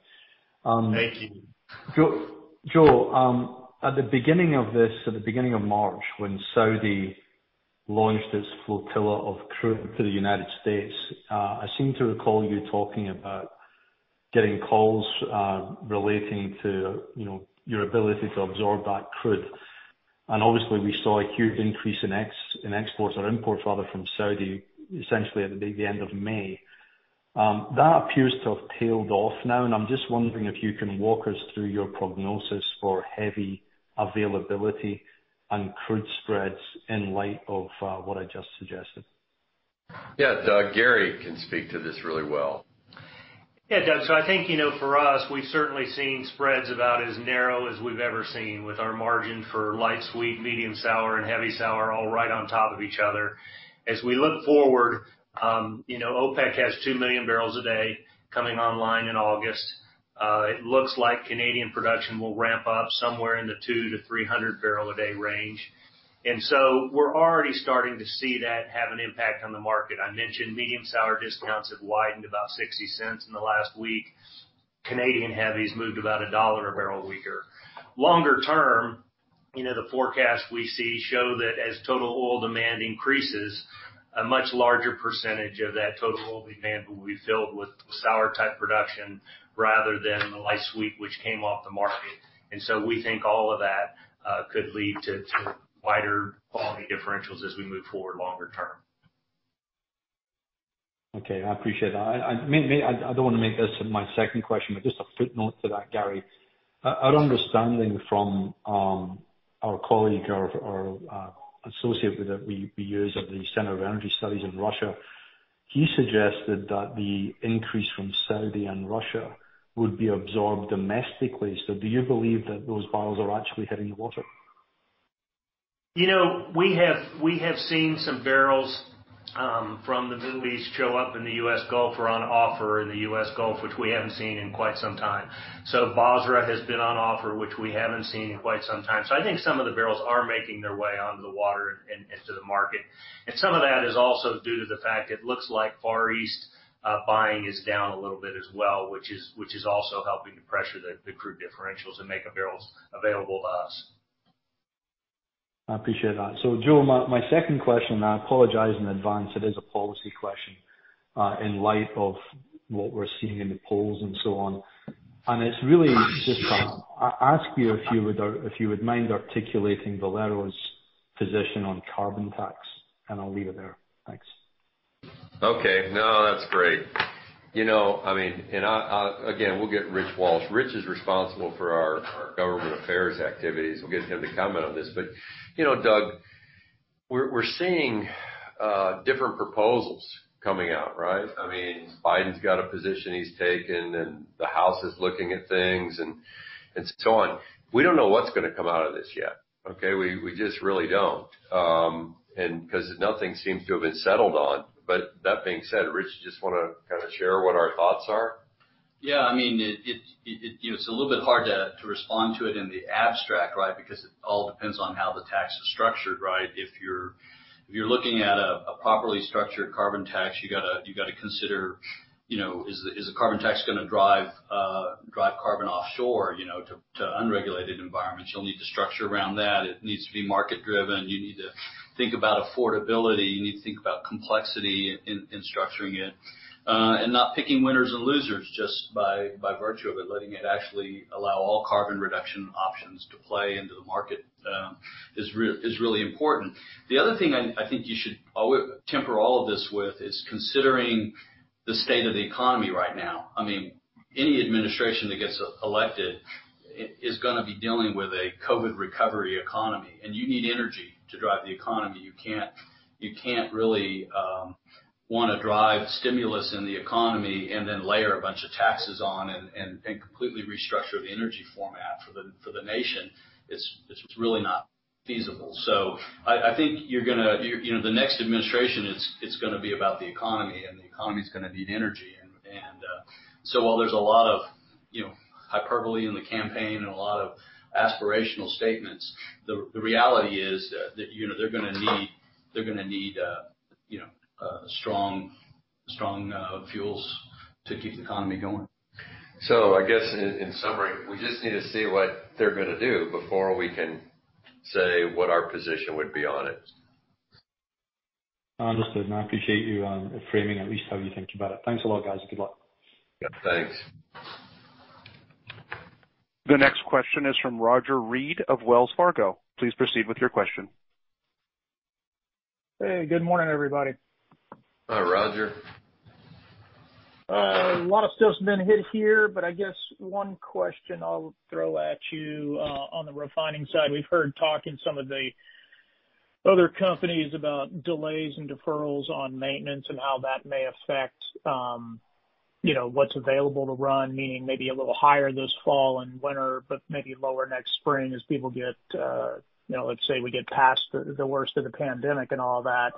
Thank you. Joe, at the beginning of this, at the beginning of March, when Saudi launched its flotilla of crude to the United States, I seem to recall you talking about getting calls relating to your ability to absorb that crude. Obviously, we saw a huge increase in exports or imports rather from Saudi, essentially at the end of May. That appears to have tailed off now, and I'm just wondering if you can walk us through your prognosis for heavy availability and crude spreads in light of what I just suggested. Yeah, Doug. Gary can speak to this really well. Doug. I think for us, we've certainly seen spreads about as narrow as we've ever seen with our margin for light sweet, medium sour, and heavy sour all right on top of each other. As we look forward, OPEC has two million barrels a day coming online in August. It looks like Canadian production will ramp up somewhere in the 200-300 barrel a day range. We're already starting to see that have an impact on the market. I mentioned medium sour discounts have widened about $0.60 in the last week. Canadian heavies moved about $1 a barrel weaker. Longer term, the forecast we see show that as total oil demand increases, a much larger percentage of that total oil demand will be filled with sour type production rather than the light suite which came off the market. We think all of that could lead to wider quality differentials as we move forward longer term. Okay. I appreciate that. I don't want to make this my second question, but just a footnote to that, Gary. Our understanding from our colleague or associate that we use at the Center for Energy Studies in Russia, he suggested that the increase from Saudi and Russia would be absorbed domestically. Do you believe that those barrels are actually hitting the water? We have seen some barrels from the Middle East show up in the U.S. Gulf or on offer in the U.S. Gulf, which we haven't seen in quite some time. Basra has been on offer, which we haven't seen in quite some time. I think some of the barrels are making their way onto the water and into the market. Some of that is also due to the fact it looks like Far East buying is down a little bit as well, which is also helping to pressure the crude differentials and make barrels available to us. I appreciate that. Joe, my second question, I apologize in advance, it is a policy question in light of what we're seeing in the polls and so on. It's really just ask you if you would mind articulating Valero's position on carbon tax, and I'll leave it there. Thanks. Okay. No, that's great. Again, we'll get Rich Walsh. Rich is responsible for our government affairs activities. We'll get him to comment on this. Doug, we're seeing different proposals coming out, right? Biden's got a position he's taken, and the House is looking at things, and so on. We don't know what's going to come out of this yet, okay? We just really don't. Because nothing seems to have been settled on. That being said, Rich, you just want to kind of share what our thoughts are? Yeah. It's a little bit hard to respond to it in the abstract, right? It all depends on how the tax is structured, right? If you're looking at a properly structured carbon tax, you got to consider, is a carbon tax going to drive carbon offshore to unregulated environments? You'll need to structure around that. It needs to be market-driven. You need to think about affordability. You need to think about complexity in structuring it. Not picking winners and losers just by virtue of it. Letting it actually allow all carbon reduction options to play into the market is really important. The other thing I think you should temper all of this with is considering the state of the economy right now. Any administration that gets elected is going to be dealing with a COVID recovery economy, and you need energy to drive the economy. You can't really want to drive stimulus in the economy and then layer a bunch of taxes on and completely restructure the energy format for the nation. It's really not feasible. I think the next administration, it's going to be about the economy, and the economy's going to need energy. While there's a lot of hyperbole in the campaign and a lot of aspirational statements, the reality is that they're going to need strong fuels to keep the economy going. I guess in summary, we just need to see what they're going to do before we can say what our position would be on it. Understood. I appreciate you framing at least how you think about it. Thanks a lot, guys. Good luck. Yeah, thanks. The next question is from Roger Read of Wells Fargo. Please proceed with your question. Hey, good morning, everybody. Hi, Roger. A lot of stuff's been hit here. I guess one question I'll throw at you on the refining side. We've heard talk in some of the other companies about delays and deferrals on maintenance and how that may affect what's available to run, meaning maybe a little higher this fall and winter, but maybe lower next spring as people get, let's say, we get past the worst of the pandemic and all that.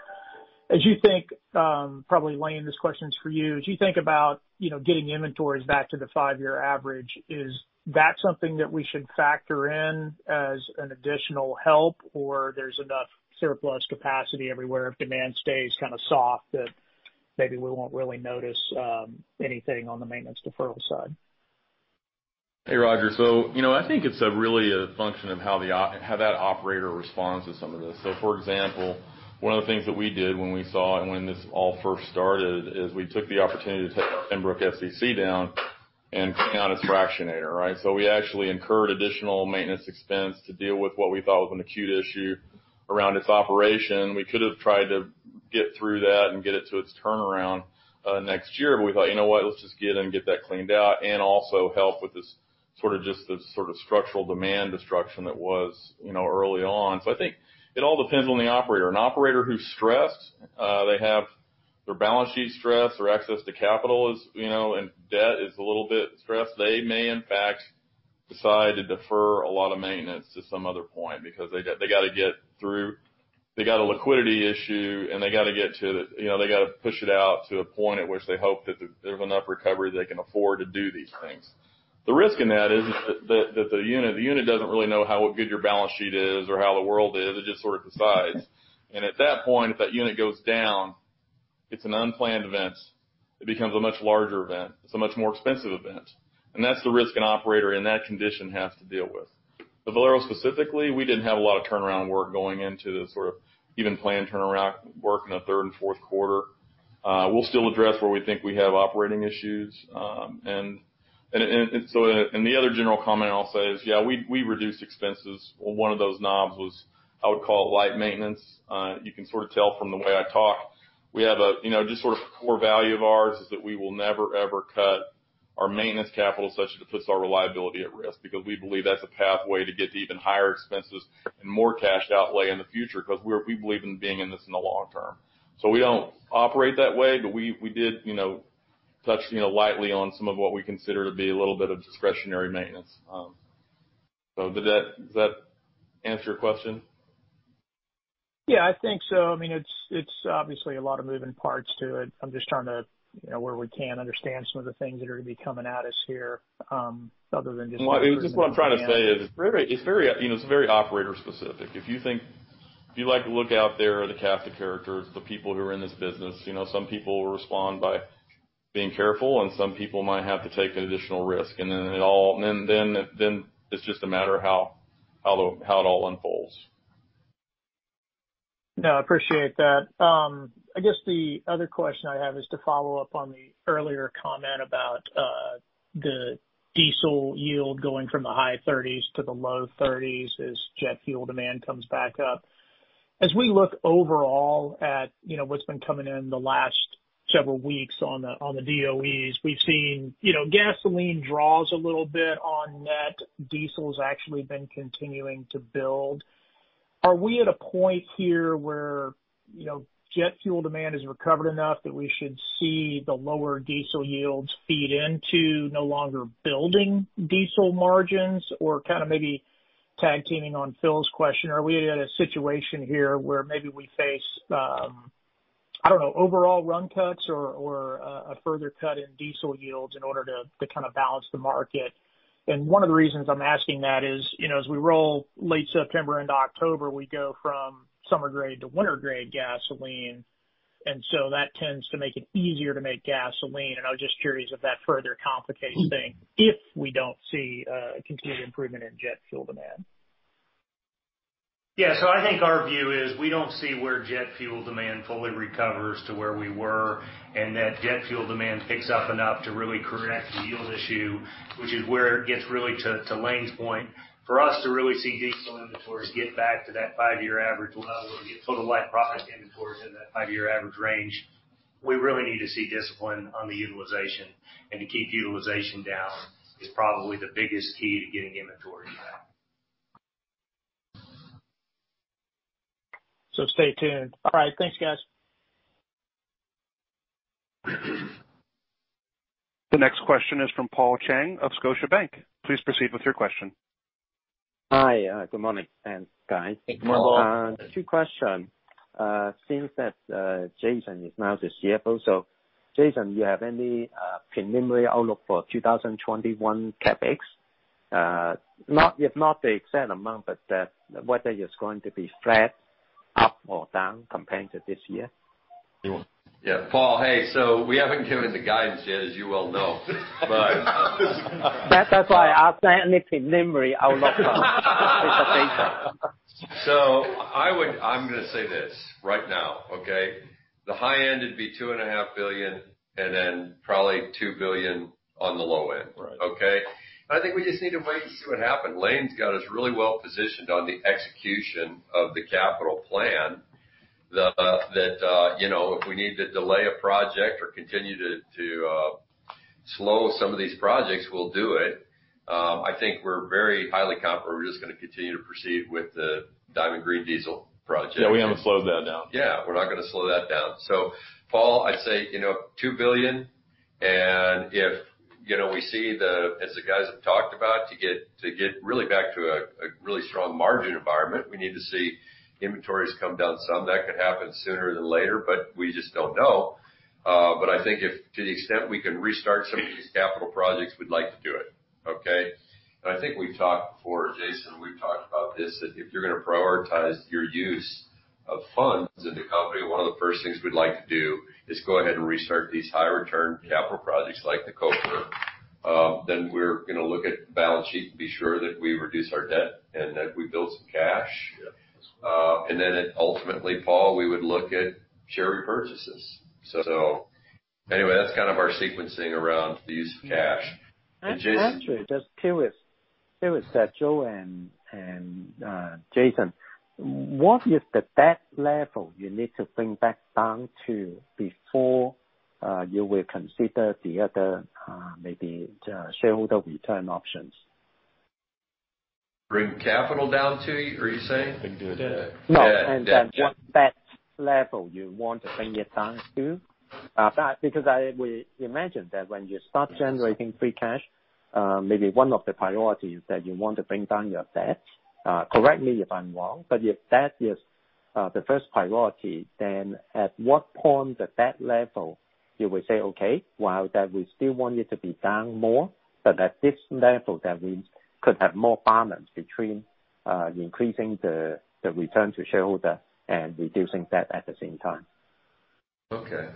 As you think, probably, Lane, this question's for you, as you think about getting inventories back to the five-year average, is that something that we should factor in as an additional help? There's enough surplus capacity everywhere if demand stays kind of soft that maybe we won't really notice anything on the maintenance deferral side? Hey, Roger. I think it's really a function of how that operator responds to some of this. For example, one of the things that we did when we saw and when this all first started is we took the opportunity to take Pembroke FCC down and clean out its fractionator, right? We actually incurred additional maintenance expense to deal with what we thought was an acute issue around its operation. We could have tried to get through that and get it to its turnaround next year. We thought, "You know what? Let's just get in and get that cleaned out," and also help with this sort of structural demand destruction that was early on. I think it all depends on the operator. An operator who's stressed, they have their balance sheet stressed, their access to capital is, and debt is a little bit stressed. They may in fact decide to defer a lot of maintenance to some other point because they got a liquidity issue, and they got to push it out to a point at which they hope that there's enough recovery they can afford to do these things. The risk in that is that the unit doesn't really know how good your balance sheet is or how the world is. It just sort of decides. At that point, if that unit goes down, it's an unplanned event. It becomes a much larger event. It's a much more expensive event. That's the risk an operator in that condition has to deal with. Valero specifically, we didn't have a lot of turnaround work going into this or even planned turnaround work in the third and fourth quarter. We'll still address where we think we have operating issues. The other general comment I'll say is, yeah, we reduced expenses. One of those knobs was, I would call it light maintenance. You can sort of tell from the way I talk, just sort of core value of ours is that we will never, ever cut our maintenance capital such that it puts our reliability at risk. We believe that's a pathway to get to even higher expenses and more cash outlay in the future, because we believe in being in this in the long term. We don't operate that way. We did touch lightly on some of what we consider to be a little bit of discretionary maintenance. Did that answer your question? I think so. It's obviously a lot of moving parts to it. I'm just trying to, where we can, understand some of the things that are going to be coming at us here other than just. Well, I guess what I'm trying to say is it's very operator specific. If you like to look out there at the cast of characters, the people who are in this business, some people will respond by being careful, and some people might have to take an additional risk. Then it's just a matter of how it all unfolds. No, I appreciate that. I guess the other question I have is to follow up on the earlier comment about the diesel yield going from the high 30s to the low 30s as jet fuel demand comes back up. As we look overall at what's been coming in the last several weeks on the DOEs, we've seen gasoline draws a little bit on net. Diesel's actually been continuing to build. Are we at a point here where jet fuel demand has recovered enough that we should see the lower diesel yields feed into no longer building diesel margins? Kind of maybe tag teaming on Phil's question, are we at a situation here where maybe we face, I don't know, overall run cuts or a further cut in diesel yields in order to kind of balance the market. One of the reasons I'm asking that is, as we roll late September into October, we go from summer-grade to winter-grade gasoline, and so that tends to make it easier to make gasoline. I was just curious if that further complicates things if we don't see a continued improvement in jet fuel demand. Yeah. I think our view is we don't see where jet fuel demand fully recovers to where we were and that jet fuel demand picks up enough to really correct the yield issue, which is where it gets really to Lane's point. For us to really see diesel inventories get back to that five-year average level and get total light product inventories into that five-year average range, we really need to see discipline on the utilization. To keep utilization down is probably the biggest key to getting inventories back. Stay tuned. All right. Thanks, guys. The next question is from Paul Cheng of Scotiabank. Please proceed with your question. Hi. Good morning, guys. Hey, Paul. Two question, since that Jason is now the CFO, Jason, you have any preliminary outlook for 2021 CapEx? If not the exact amount, but whether it's going to be flat, up or down compared to this year? Yeah. Paul, hey. We haven't given the guidance yet, as you well know. That's why I say anything memory outlook from Jason. I'm going to say this right now, okay? The high end would be $2.5 billion, and then probably $2 billion on the low end. Right. Okay? I think we just need to wait and see what happens. Lane's got us really well positioned on the execution of the capital plan, that if we need to delay a project or continue to slow some of these projects, we'll do it. I think we're very highly confident we're just going to continue to proceed with the Diamond Green Diesel project. Yeah, we haven't slowed that down. Yeah, we're not going to slow that down. Paul, I'd say $2 billion. If we see the, as the guys have talked about, to get really back to a really strong margin environment, we need to see inventories come down some. That could happen sooner than later, but we just don't know. I think if to the extent we can restart some of these capital projects, we'd like to do it. Okay? I think we've talked before, Jason, we've talked about this, that if you're going to prioritize your use of funds in the company, one of the first things we'd like to do is go ahead and restart these high-return capital projects like the Coker. We're going to look at the balance sheet and be sure that we reduce our debt and that we build some cash. Yeah. Then at ultimately, Paul, we would look at share repurchases. Anyway, that's kind of our sequencing around the use of cash. Jason- Actually, just curious, Joe and Jason, what is the debt level you need to bring back down to before you will consider the other maybe shareholder return options? Bring capital down to, are you saying? Bring down debt. No. What debt level you want to bring it down to? I would imagine that when you start generating free cash, maybe one of the priorities that you want to bring down your debt. Correct me if I'm wrong, if that is the first priority, at what point the debt level you will say okay, while that we still want it to be down more, but at this level that we could have more balance between increasing the return to shareholder and reducing debt at the same time? Okay.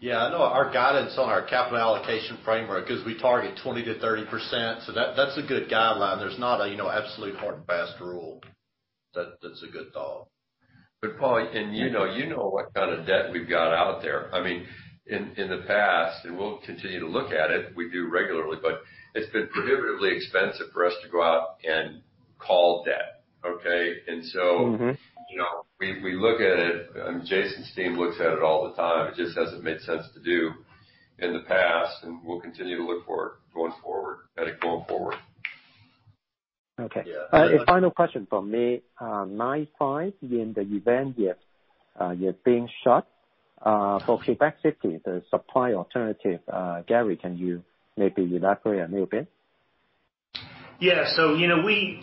Yeah, I know our guidance on our capital allocation framework is we target 20%-30%. That's a good guideline. There's not an absolute hard and fast rule. That's a good thought. Paul, and you know what kind of debt we've got out there. In the past, and we'll continue to look at it, we do regularly, but it's been prohibitively expensive for us to go out and call debt. Okay. We look at it, and Jason's team looks at it all the time. It just hasn't made sense to do in the past, and we'll continue to look for it going forward at a going forward. Okay. Yeah. A final question from me. Line five, in the event if you're being shut, for Quebec City, the supply alternative, Gary, can you maybe elaborate a little bit?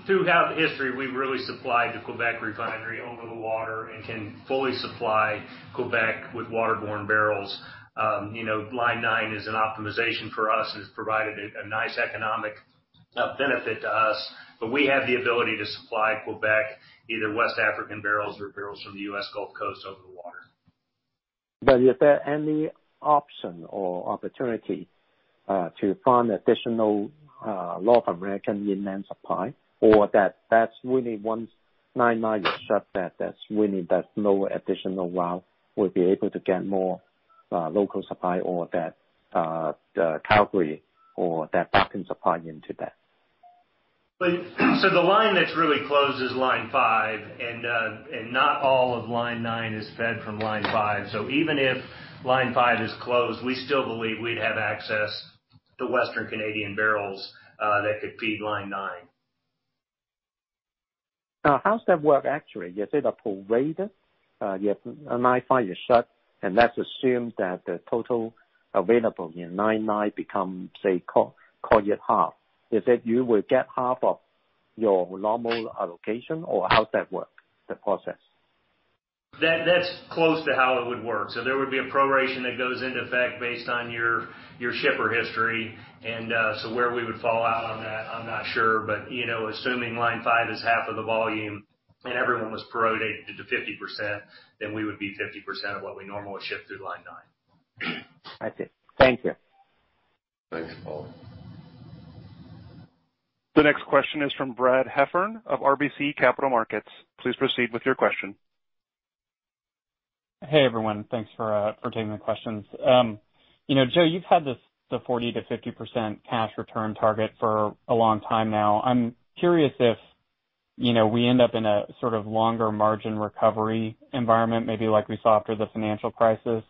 Throughout history, we've really supplied the Quebec Refinery over the water and can fully supply Quebec with waterborne barrels. Line nine is an optimization for us and has provided a nice economic benefit to us. We have the ability to supply Quebec either West African barrels or barrels from the U.S. Gulf Coast over the water. Is there any option or opportunity to find additional raw American inland supply, or that's really once Line nine is shut, that's really that no additional route will be able to get more local supply or that Calgary or that Bakken supply into that? The Line that's really closed is Line five and not all of Line nine is fed from Line five. Even if Line five is closed, we still believe we'd have access to Western Canadian barrels that could feed Line nine. How does that work actually? Is it prorated? Line five is shut, and let's assume that the total available in Line nine become, say, call it half. Is it you will get half? Your normal allocation or how does that work, the process? That's close to how it would work. There would be a proration that goes into effect based on your shipper history. Where we would fall out on that, I'm not sure. Assuming Line five is half of the volume and everyone was prorated to 50%, we would be 50% of what we normally ship through Line nine. I see. Thank you. Thanks, Paul. The next question is from Brad Heffern of RBC Capital Markets. Please proceed with your question. Hey, everyone. Thanks for taking the questions. Joe, you've had this, the 40%-50% cash return target for a long time now. I'm curious if we end up in a sort of longer margin recovery environment, maybe like we saw after the financial crisis,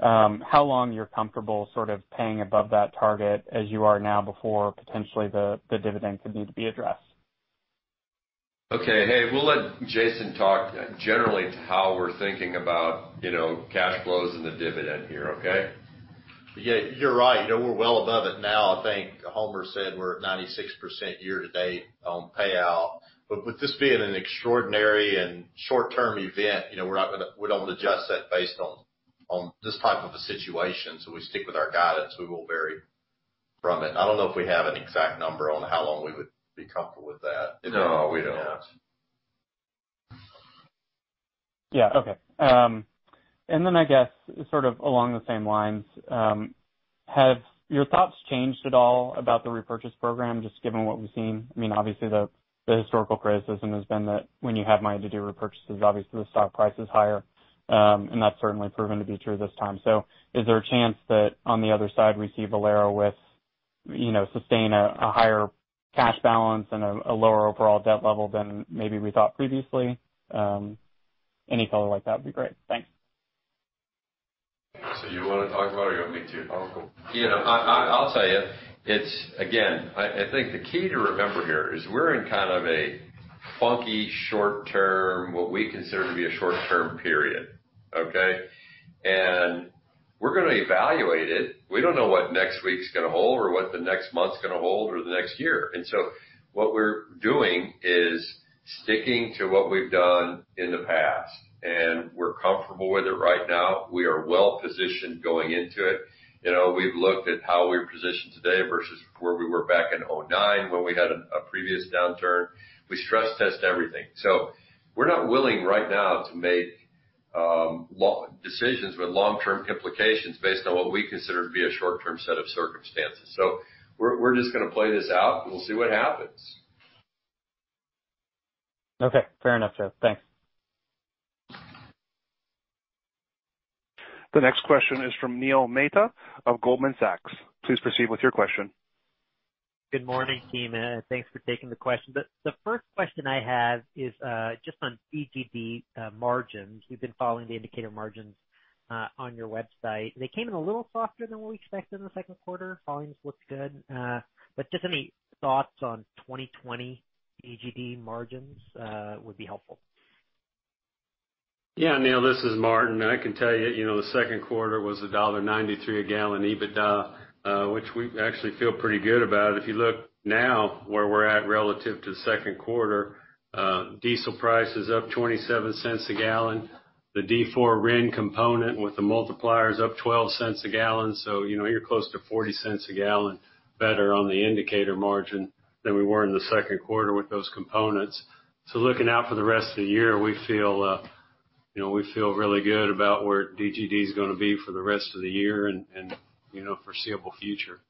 how long you're comfortable sort of paying above that target as you are now, before potentially the dividend could need to be addressed? Okay. Hey, we'll let Jason talk generally to how we're thinking about cash flows and the dividend here, okay? Yeah, you're right. We're well above it now. I think Homer said we're at 96% year to date on payout. With this being an extraordinary and short-term event, we don't adjust that based on this type of a situation. We stick with our guidance. We won't vary from it. I don't know if we have an exact number on how long we would be comfortable with that. No, we don't. Yeah. Okay. I guess sort of along the same lines, have your thoughts changed at all about the repurchase program, just given what we've seen? Obviously, the historical criticism has been that when you have money to do repurchases, obviously, the stock price is higher. That's certainly proven to be true this time. Is there a chance that on the other side, we see Valero sustain a higher cash balance and a lower overall debt level than maybe we thought previously? Any color like that would be great. Thanks. You want to talk about it or you want me to? I'll go. I'll tell you. Again, I think the key to remember here is we're in kind of a funky short-term, what we consider to be a short-term period. Okay. We're going to evaluate it. We don't know what next week's going to hold or what the next month's going to hold or the next year. What we're doing is sticking to what we've done in the past, and we're comfortable with it right now. We are well-positioned going into it. We've looked at how we're positioned today versus where we were back in 2009 when we had a previous downturn. We stress test everything. We're not willing right now to make decisions with long-term implications based on what we consider to be a short-term set of circumstances. We're just going to play this out, and we'll see what happens. Okay. Fair enough, Joe. Thanks. The next question is from Neil Mehta of Goldman Sachs. Please proceed with your question. Good morning, team, and thanks for taking the question. The first question I have is just on DGD margins. We've been following the indicator margins on your website. They came in a little softer than what we expected in the Q2. Volumes looked good. Just any thoughts on 2020 DGD margins would be helpful. Neil, this is Martin. I can tell you, the Q2 was $1.93 a gallon EBITDA, which we actually feel pretty good about. If you look now where we're at relative to the Q2, diesel price is up $0.27 a gallon. The D4 RIN component with the multiplier is up $0.12 a gallon. You're close to $0.40 a gallon better on the indicator margin than we were in the Q2 with those components. Looking out for the rest of the year, we feel really good about where DGD is going to be for the rest of the year and foreseeable future.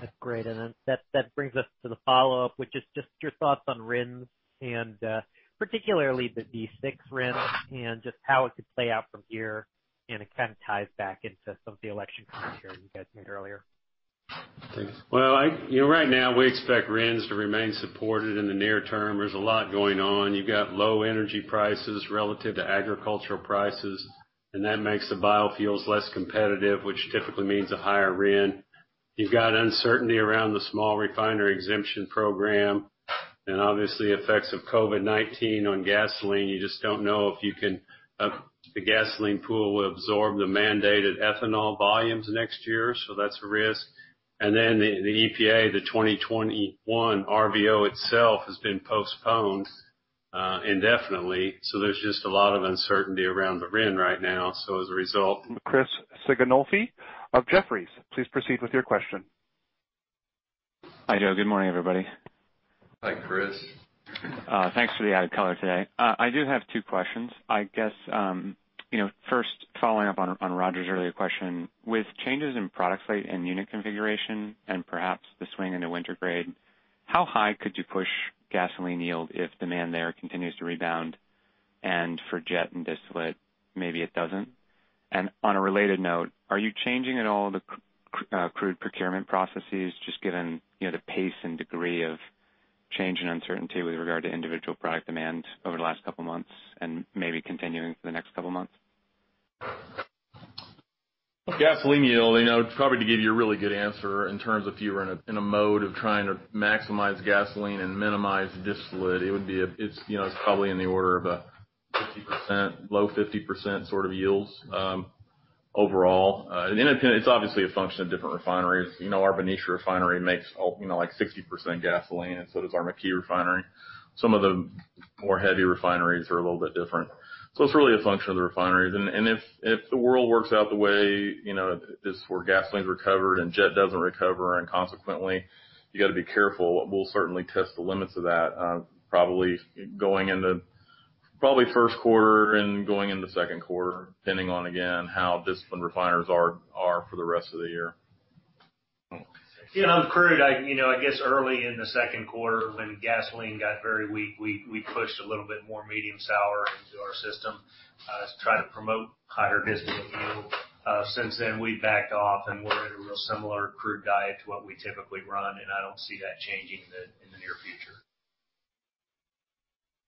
That's great. That brings us to the follow-up, which is just your thoughts on RINs and particularly the D6 RIN and just how it could play out from here. It kind of ties back into some of the election commentary you guys made earlier. Thanks. Well, right now we expect RINs to remain supported in the near term. There's a lot going on. You've got low energy prices relative to agricultural prices, and that makes the biofuels less competitive, which typically means a higher RIN. You've got uncertainty around the small refinery exemption program and obviously effects of COVID-19 on gasoline. You just don't know if the gasoline pool will absorb the mandated ethanol volumes next year. That's a risk. Then the EPA, the 2021 RVO itself has been postponed indefinitely. There's just a lot of uncertainty around the RIN right now. As a result- Chris Sighinolfi of Jefferies. Please proceed with your question. Hi, Joe. Good morning, everybody. Hi, Chris. Thanks for the added color today. I do have two questions. I guess, first following up on Roger's earlier question. With changes in product slate and unit configuration and perhaps the swing into winter grade, how high could you push gasoline yield if demand there continues to rebound and for jet and distillate, maybe it doesn't? On a related note, are you changing at all the crude procurement processes, just given the pace and degree of change and uncertainty with regard to individual product demand over the last couple of months and maybe continuing for the next couple of months? Gasoline yield, to give you a really good answer in terms of you were in a mode of trying to maximize gasoline and minimize distillate, it's probably in the order of a low 50% sort of yields. Overall, it's obviously a function of different refineries. Our Benicia refinery makes 60% gasoline, and so does our McKee refinery. Some of the more heavy refineries are a little bit different. It's really a function of the refineries. If the world works out the way, is where gasoline's recovered and jet doesn't recover, and consequently, you got to be careful. We'll certainly test the limits of that, probably Q1 and going into Q2, depending on, again, how disciplined refiners are for the rest of the year. On crude, I guess early in the second quarter when gasoline got very weak, we pushed a little bit more medium sour into our system to try to promote higher diesel yield. Since then, we backed off, and we're at a real similar crude diet to what we typically run, and I don't see that changing in the near future.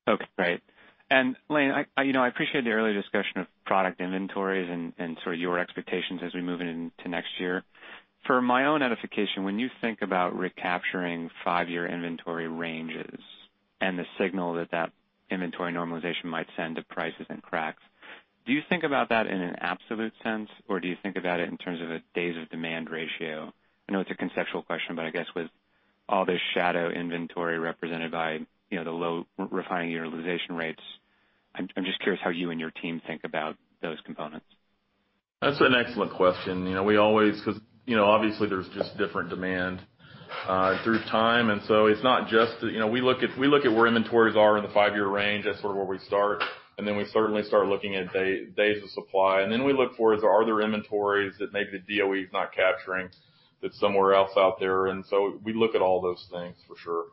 Okay, great. Lane, I appreciate the earlier discussion of product inventories and your expectations as we move into next year. For my own edification, when you think about recapturing five-year inventory ranges and the signal that that inventory normalization might send to prices and cracks, do you think about that in an absolute sense, or do you think about it in terms of a days of demand ratio? I know it's a conceptual question, but I guess with all this shadow inventory represented by the low refining utilization rates, I'm just curious how you and your team think about those components. That's an excellent question. Obviously, there's just different demand through time. We look at where inventories are in the five-year range. That's where we start. Then we certainly start looking at days of supply. Then we look for, are there inventories that maybe the DOE is not capturing that's somewhere else out there. We look at all those things, for sure.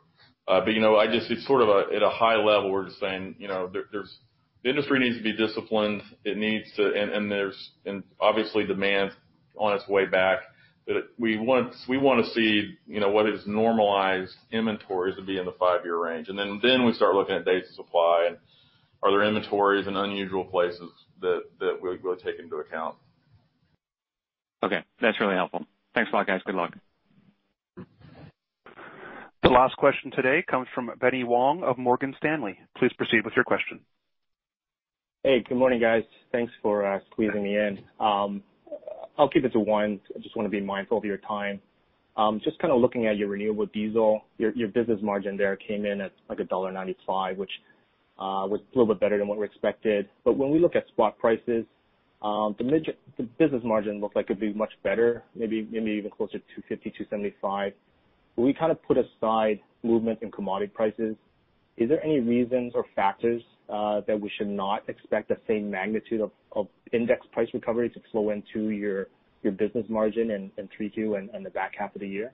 It's at a high level. We're just saying, the industry needs to be disciplined. Obviously, demand is on its way back. We want to see what is normalized inventories to be in the five-year range. Then we start looking at days of supply and are there inventories in unusual places that we'll take into account. Okay. That's really helpful. Thanks a lot, guys. Good luck. The last question today comes from Benny Wong of Morgan Stanley. Please proceed with your question. Hey, good morning, guys. Thanks for squeezing me in. I'll keep it to one. I just want to be mindful of your time. Just looking at your renewable diesel, your business margin there came in at $1.95, which was a little bit better than what we expected. When we look at spot prices, the business margin looks like it'd be much better, maybe even closer to $2.50, $2.75. When we put aside movement in commodity prices, is there any reasons or factors that we should not expect the same magnitude of index price recovery to flow into your business margin in 3Q and the back half of the year?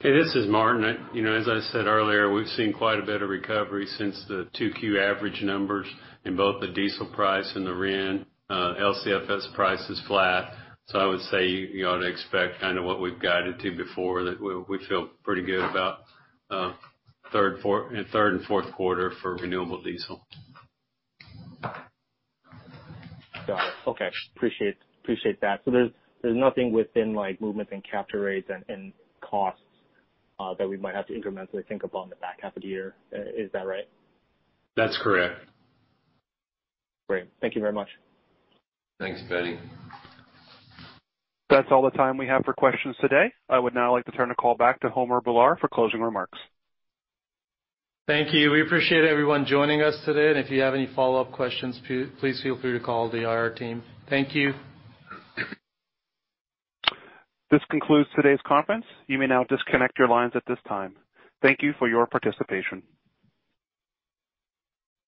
Hey, this is Martin. As I said earlier, we've seen quite a bit of recovery since the 2Q average numbers in both the diesel price and the RIN. LCFS price is flat. I would say you ought to expect what we've guided to before, that we feel pretty good about Q3 and Q4 for renewable diesel. Got it. Okay. Appreciate that. There's nothing within movement and capture rates and costs that we might have to incrementally think about in the back half of the year. Is that right? That's correct. Great. Thank you very much. Thanks, Benny. That's all the time we have for questions today. I would now like to turn the call back to Homer Bhullar for closing remarks. Thank you. We appreciate everyone joining us today. If you have any follow-up questions, please feel free to call the IR team. Thank you. This concludes today's conference. You may now disconnect your lines at this time. Thank you for your participation.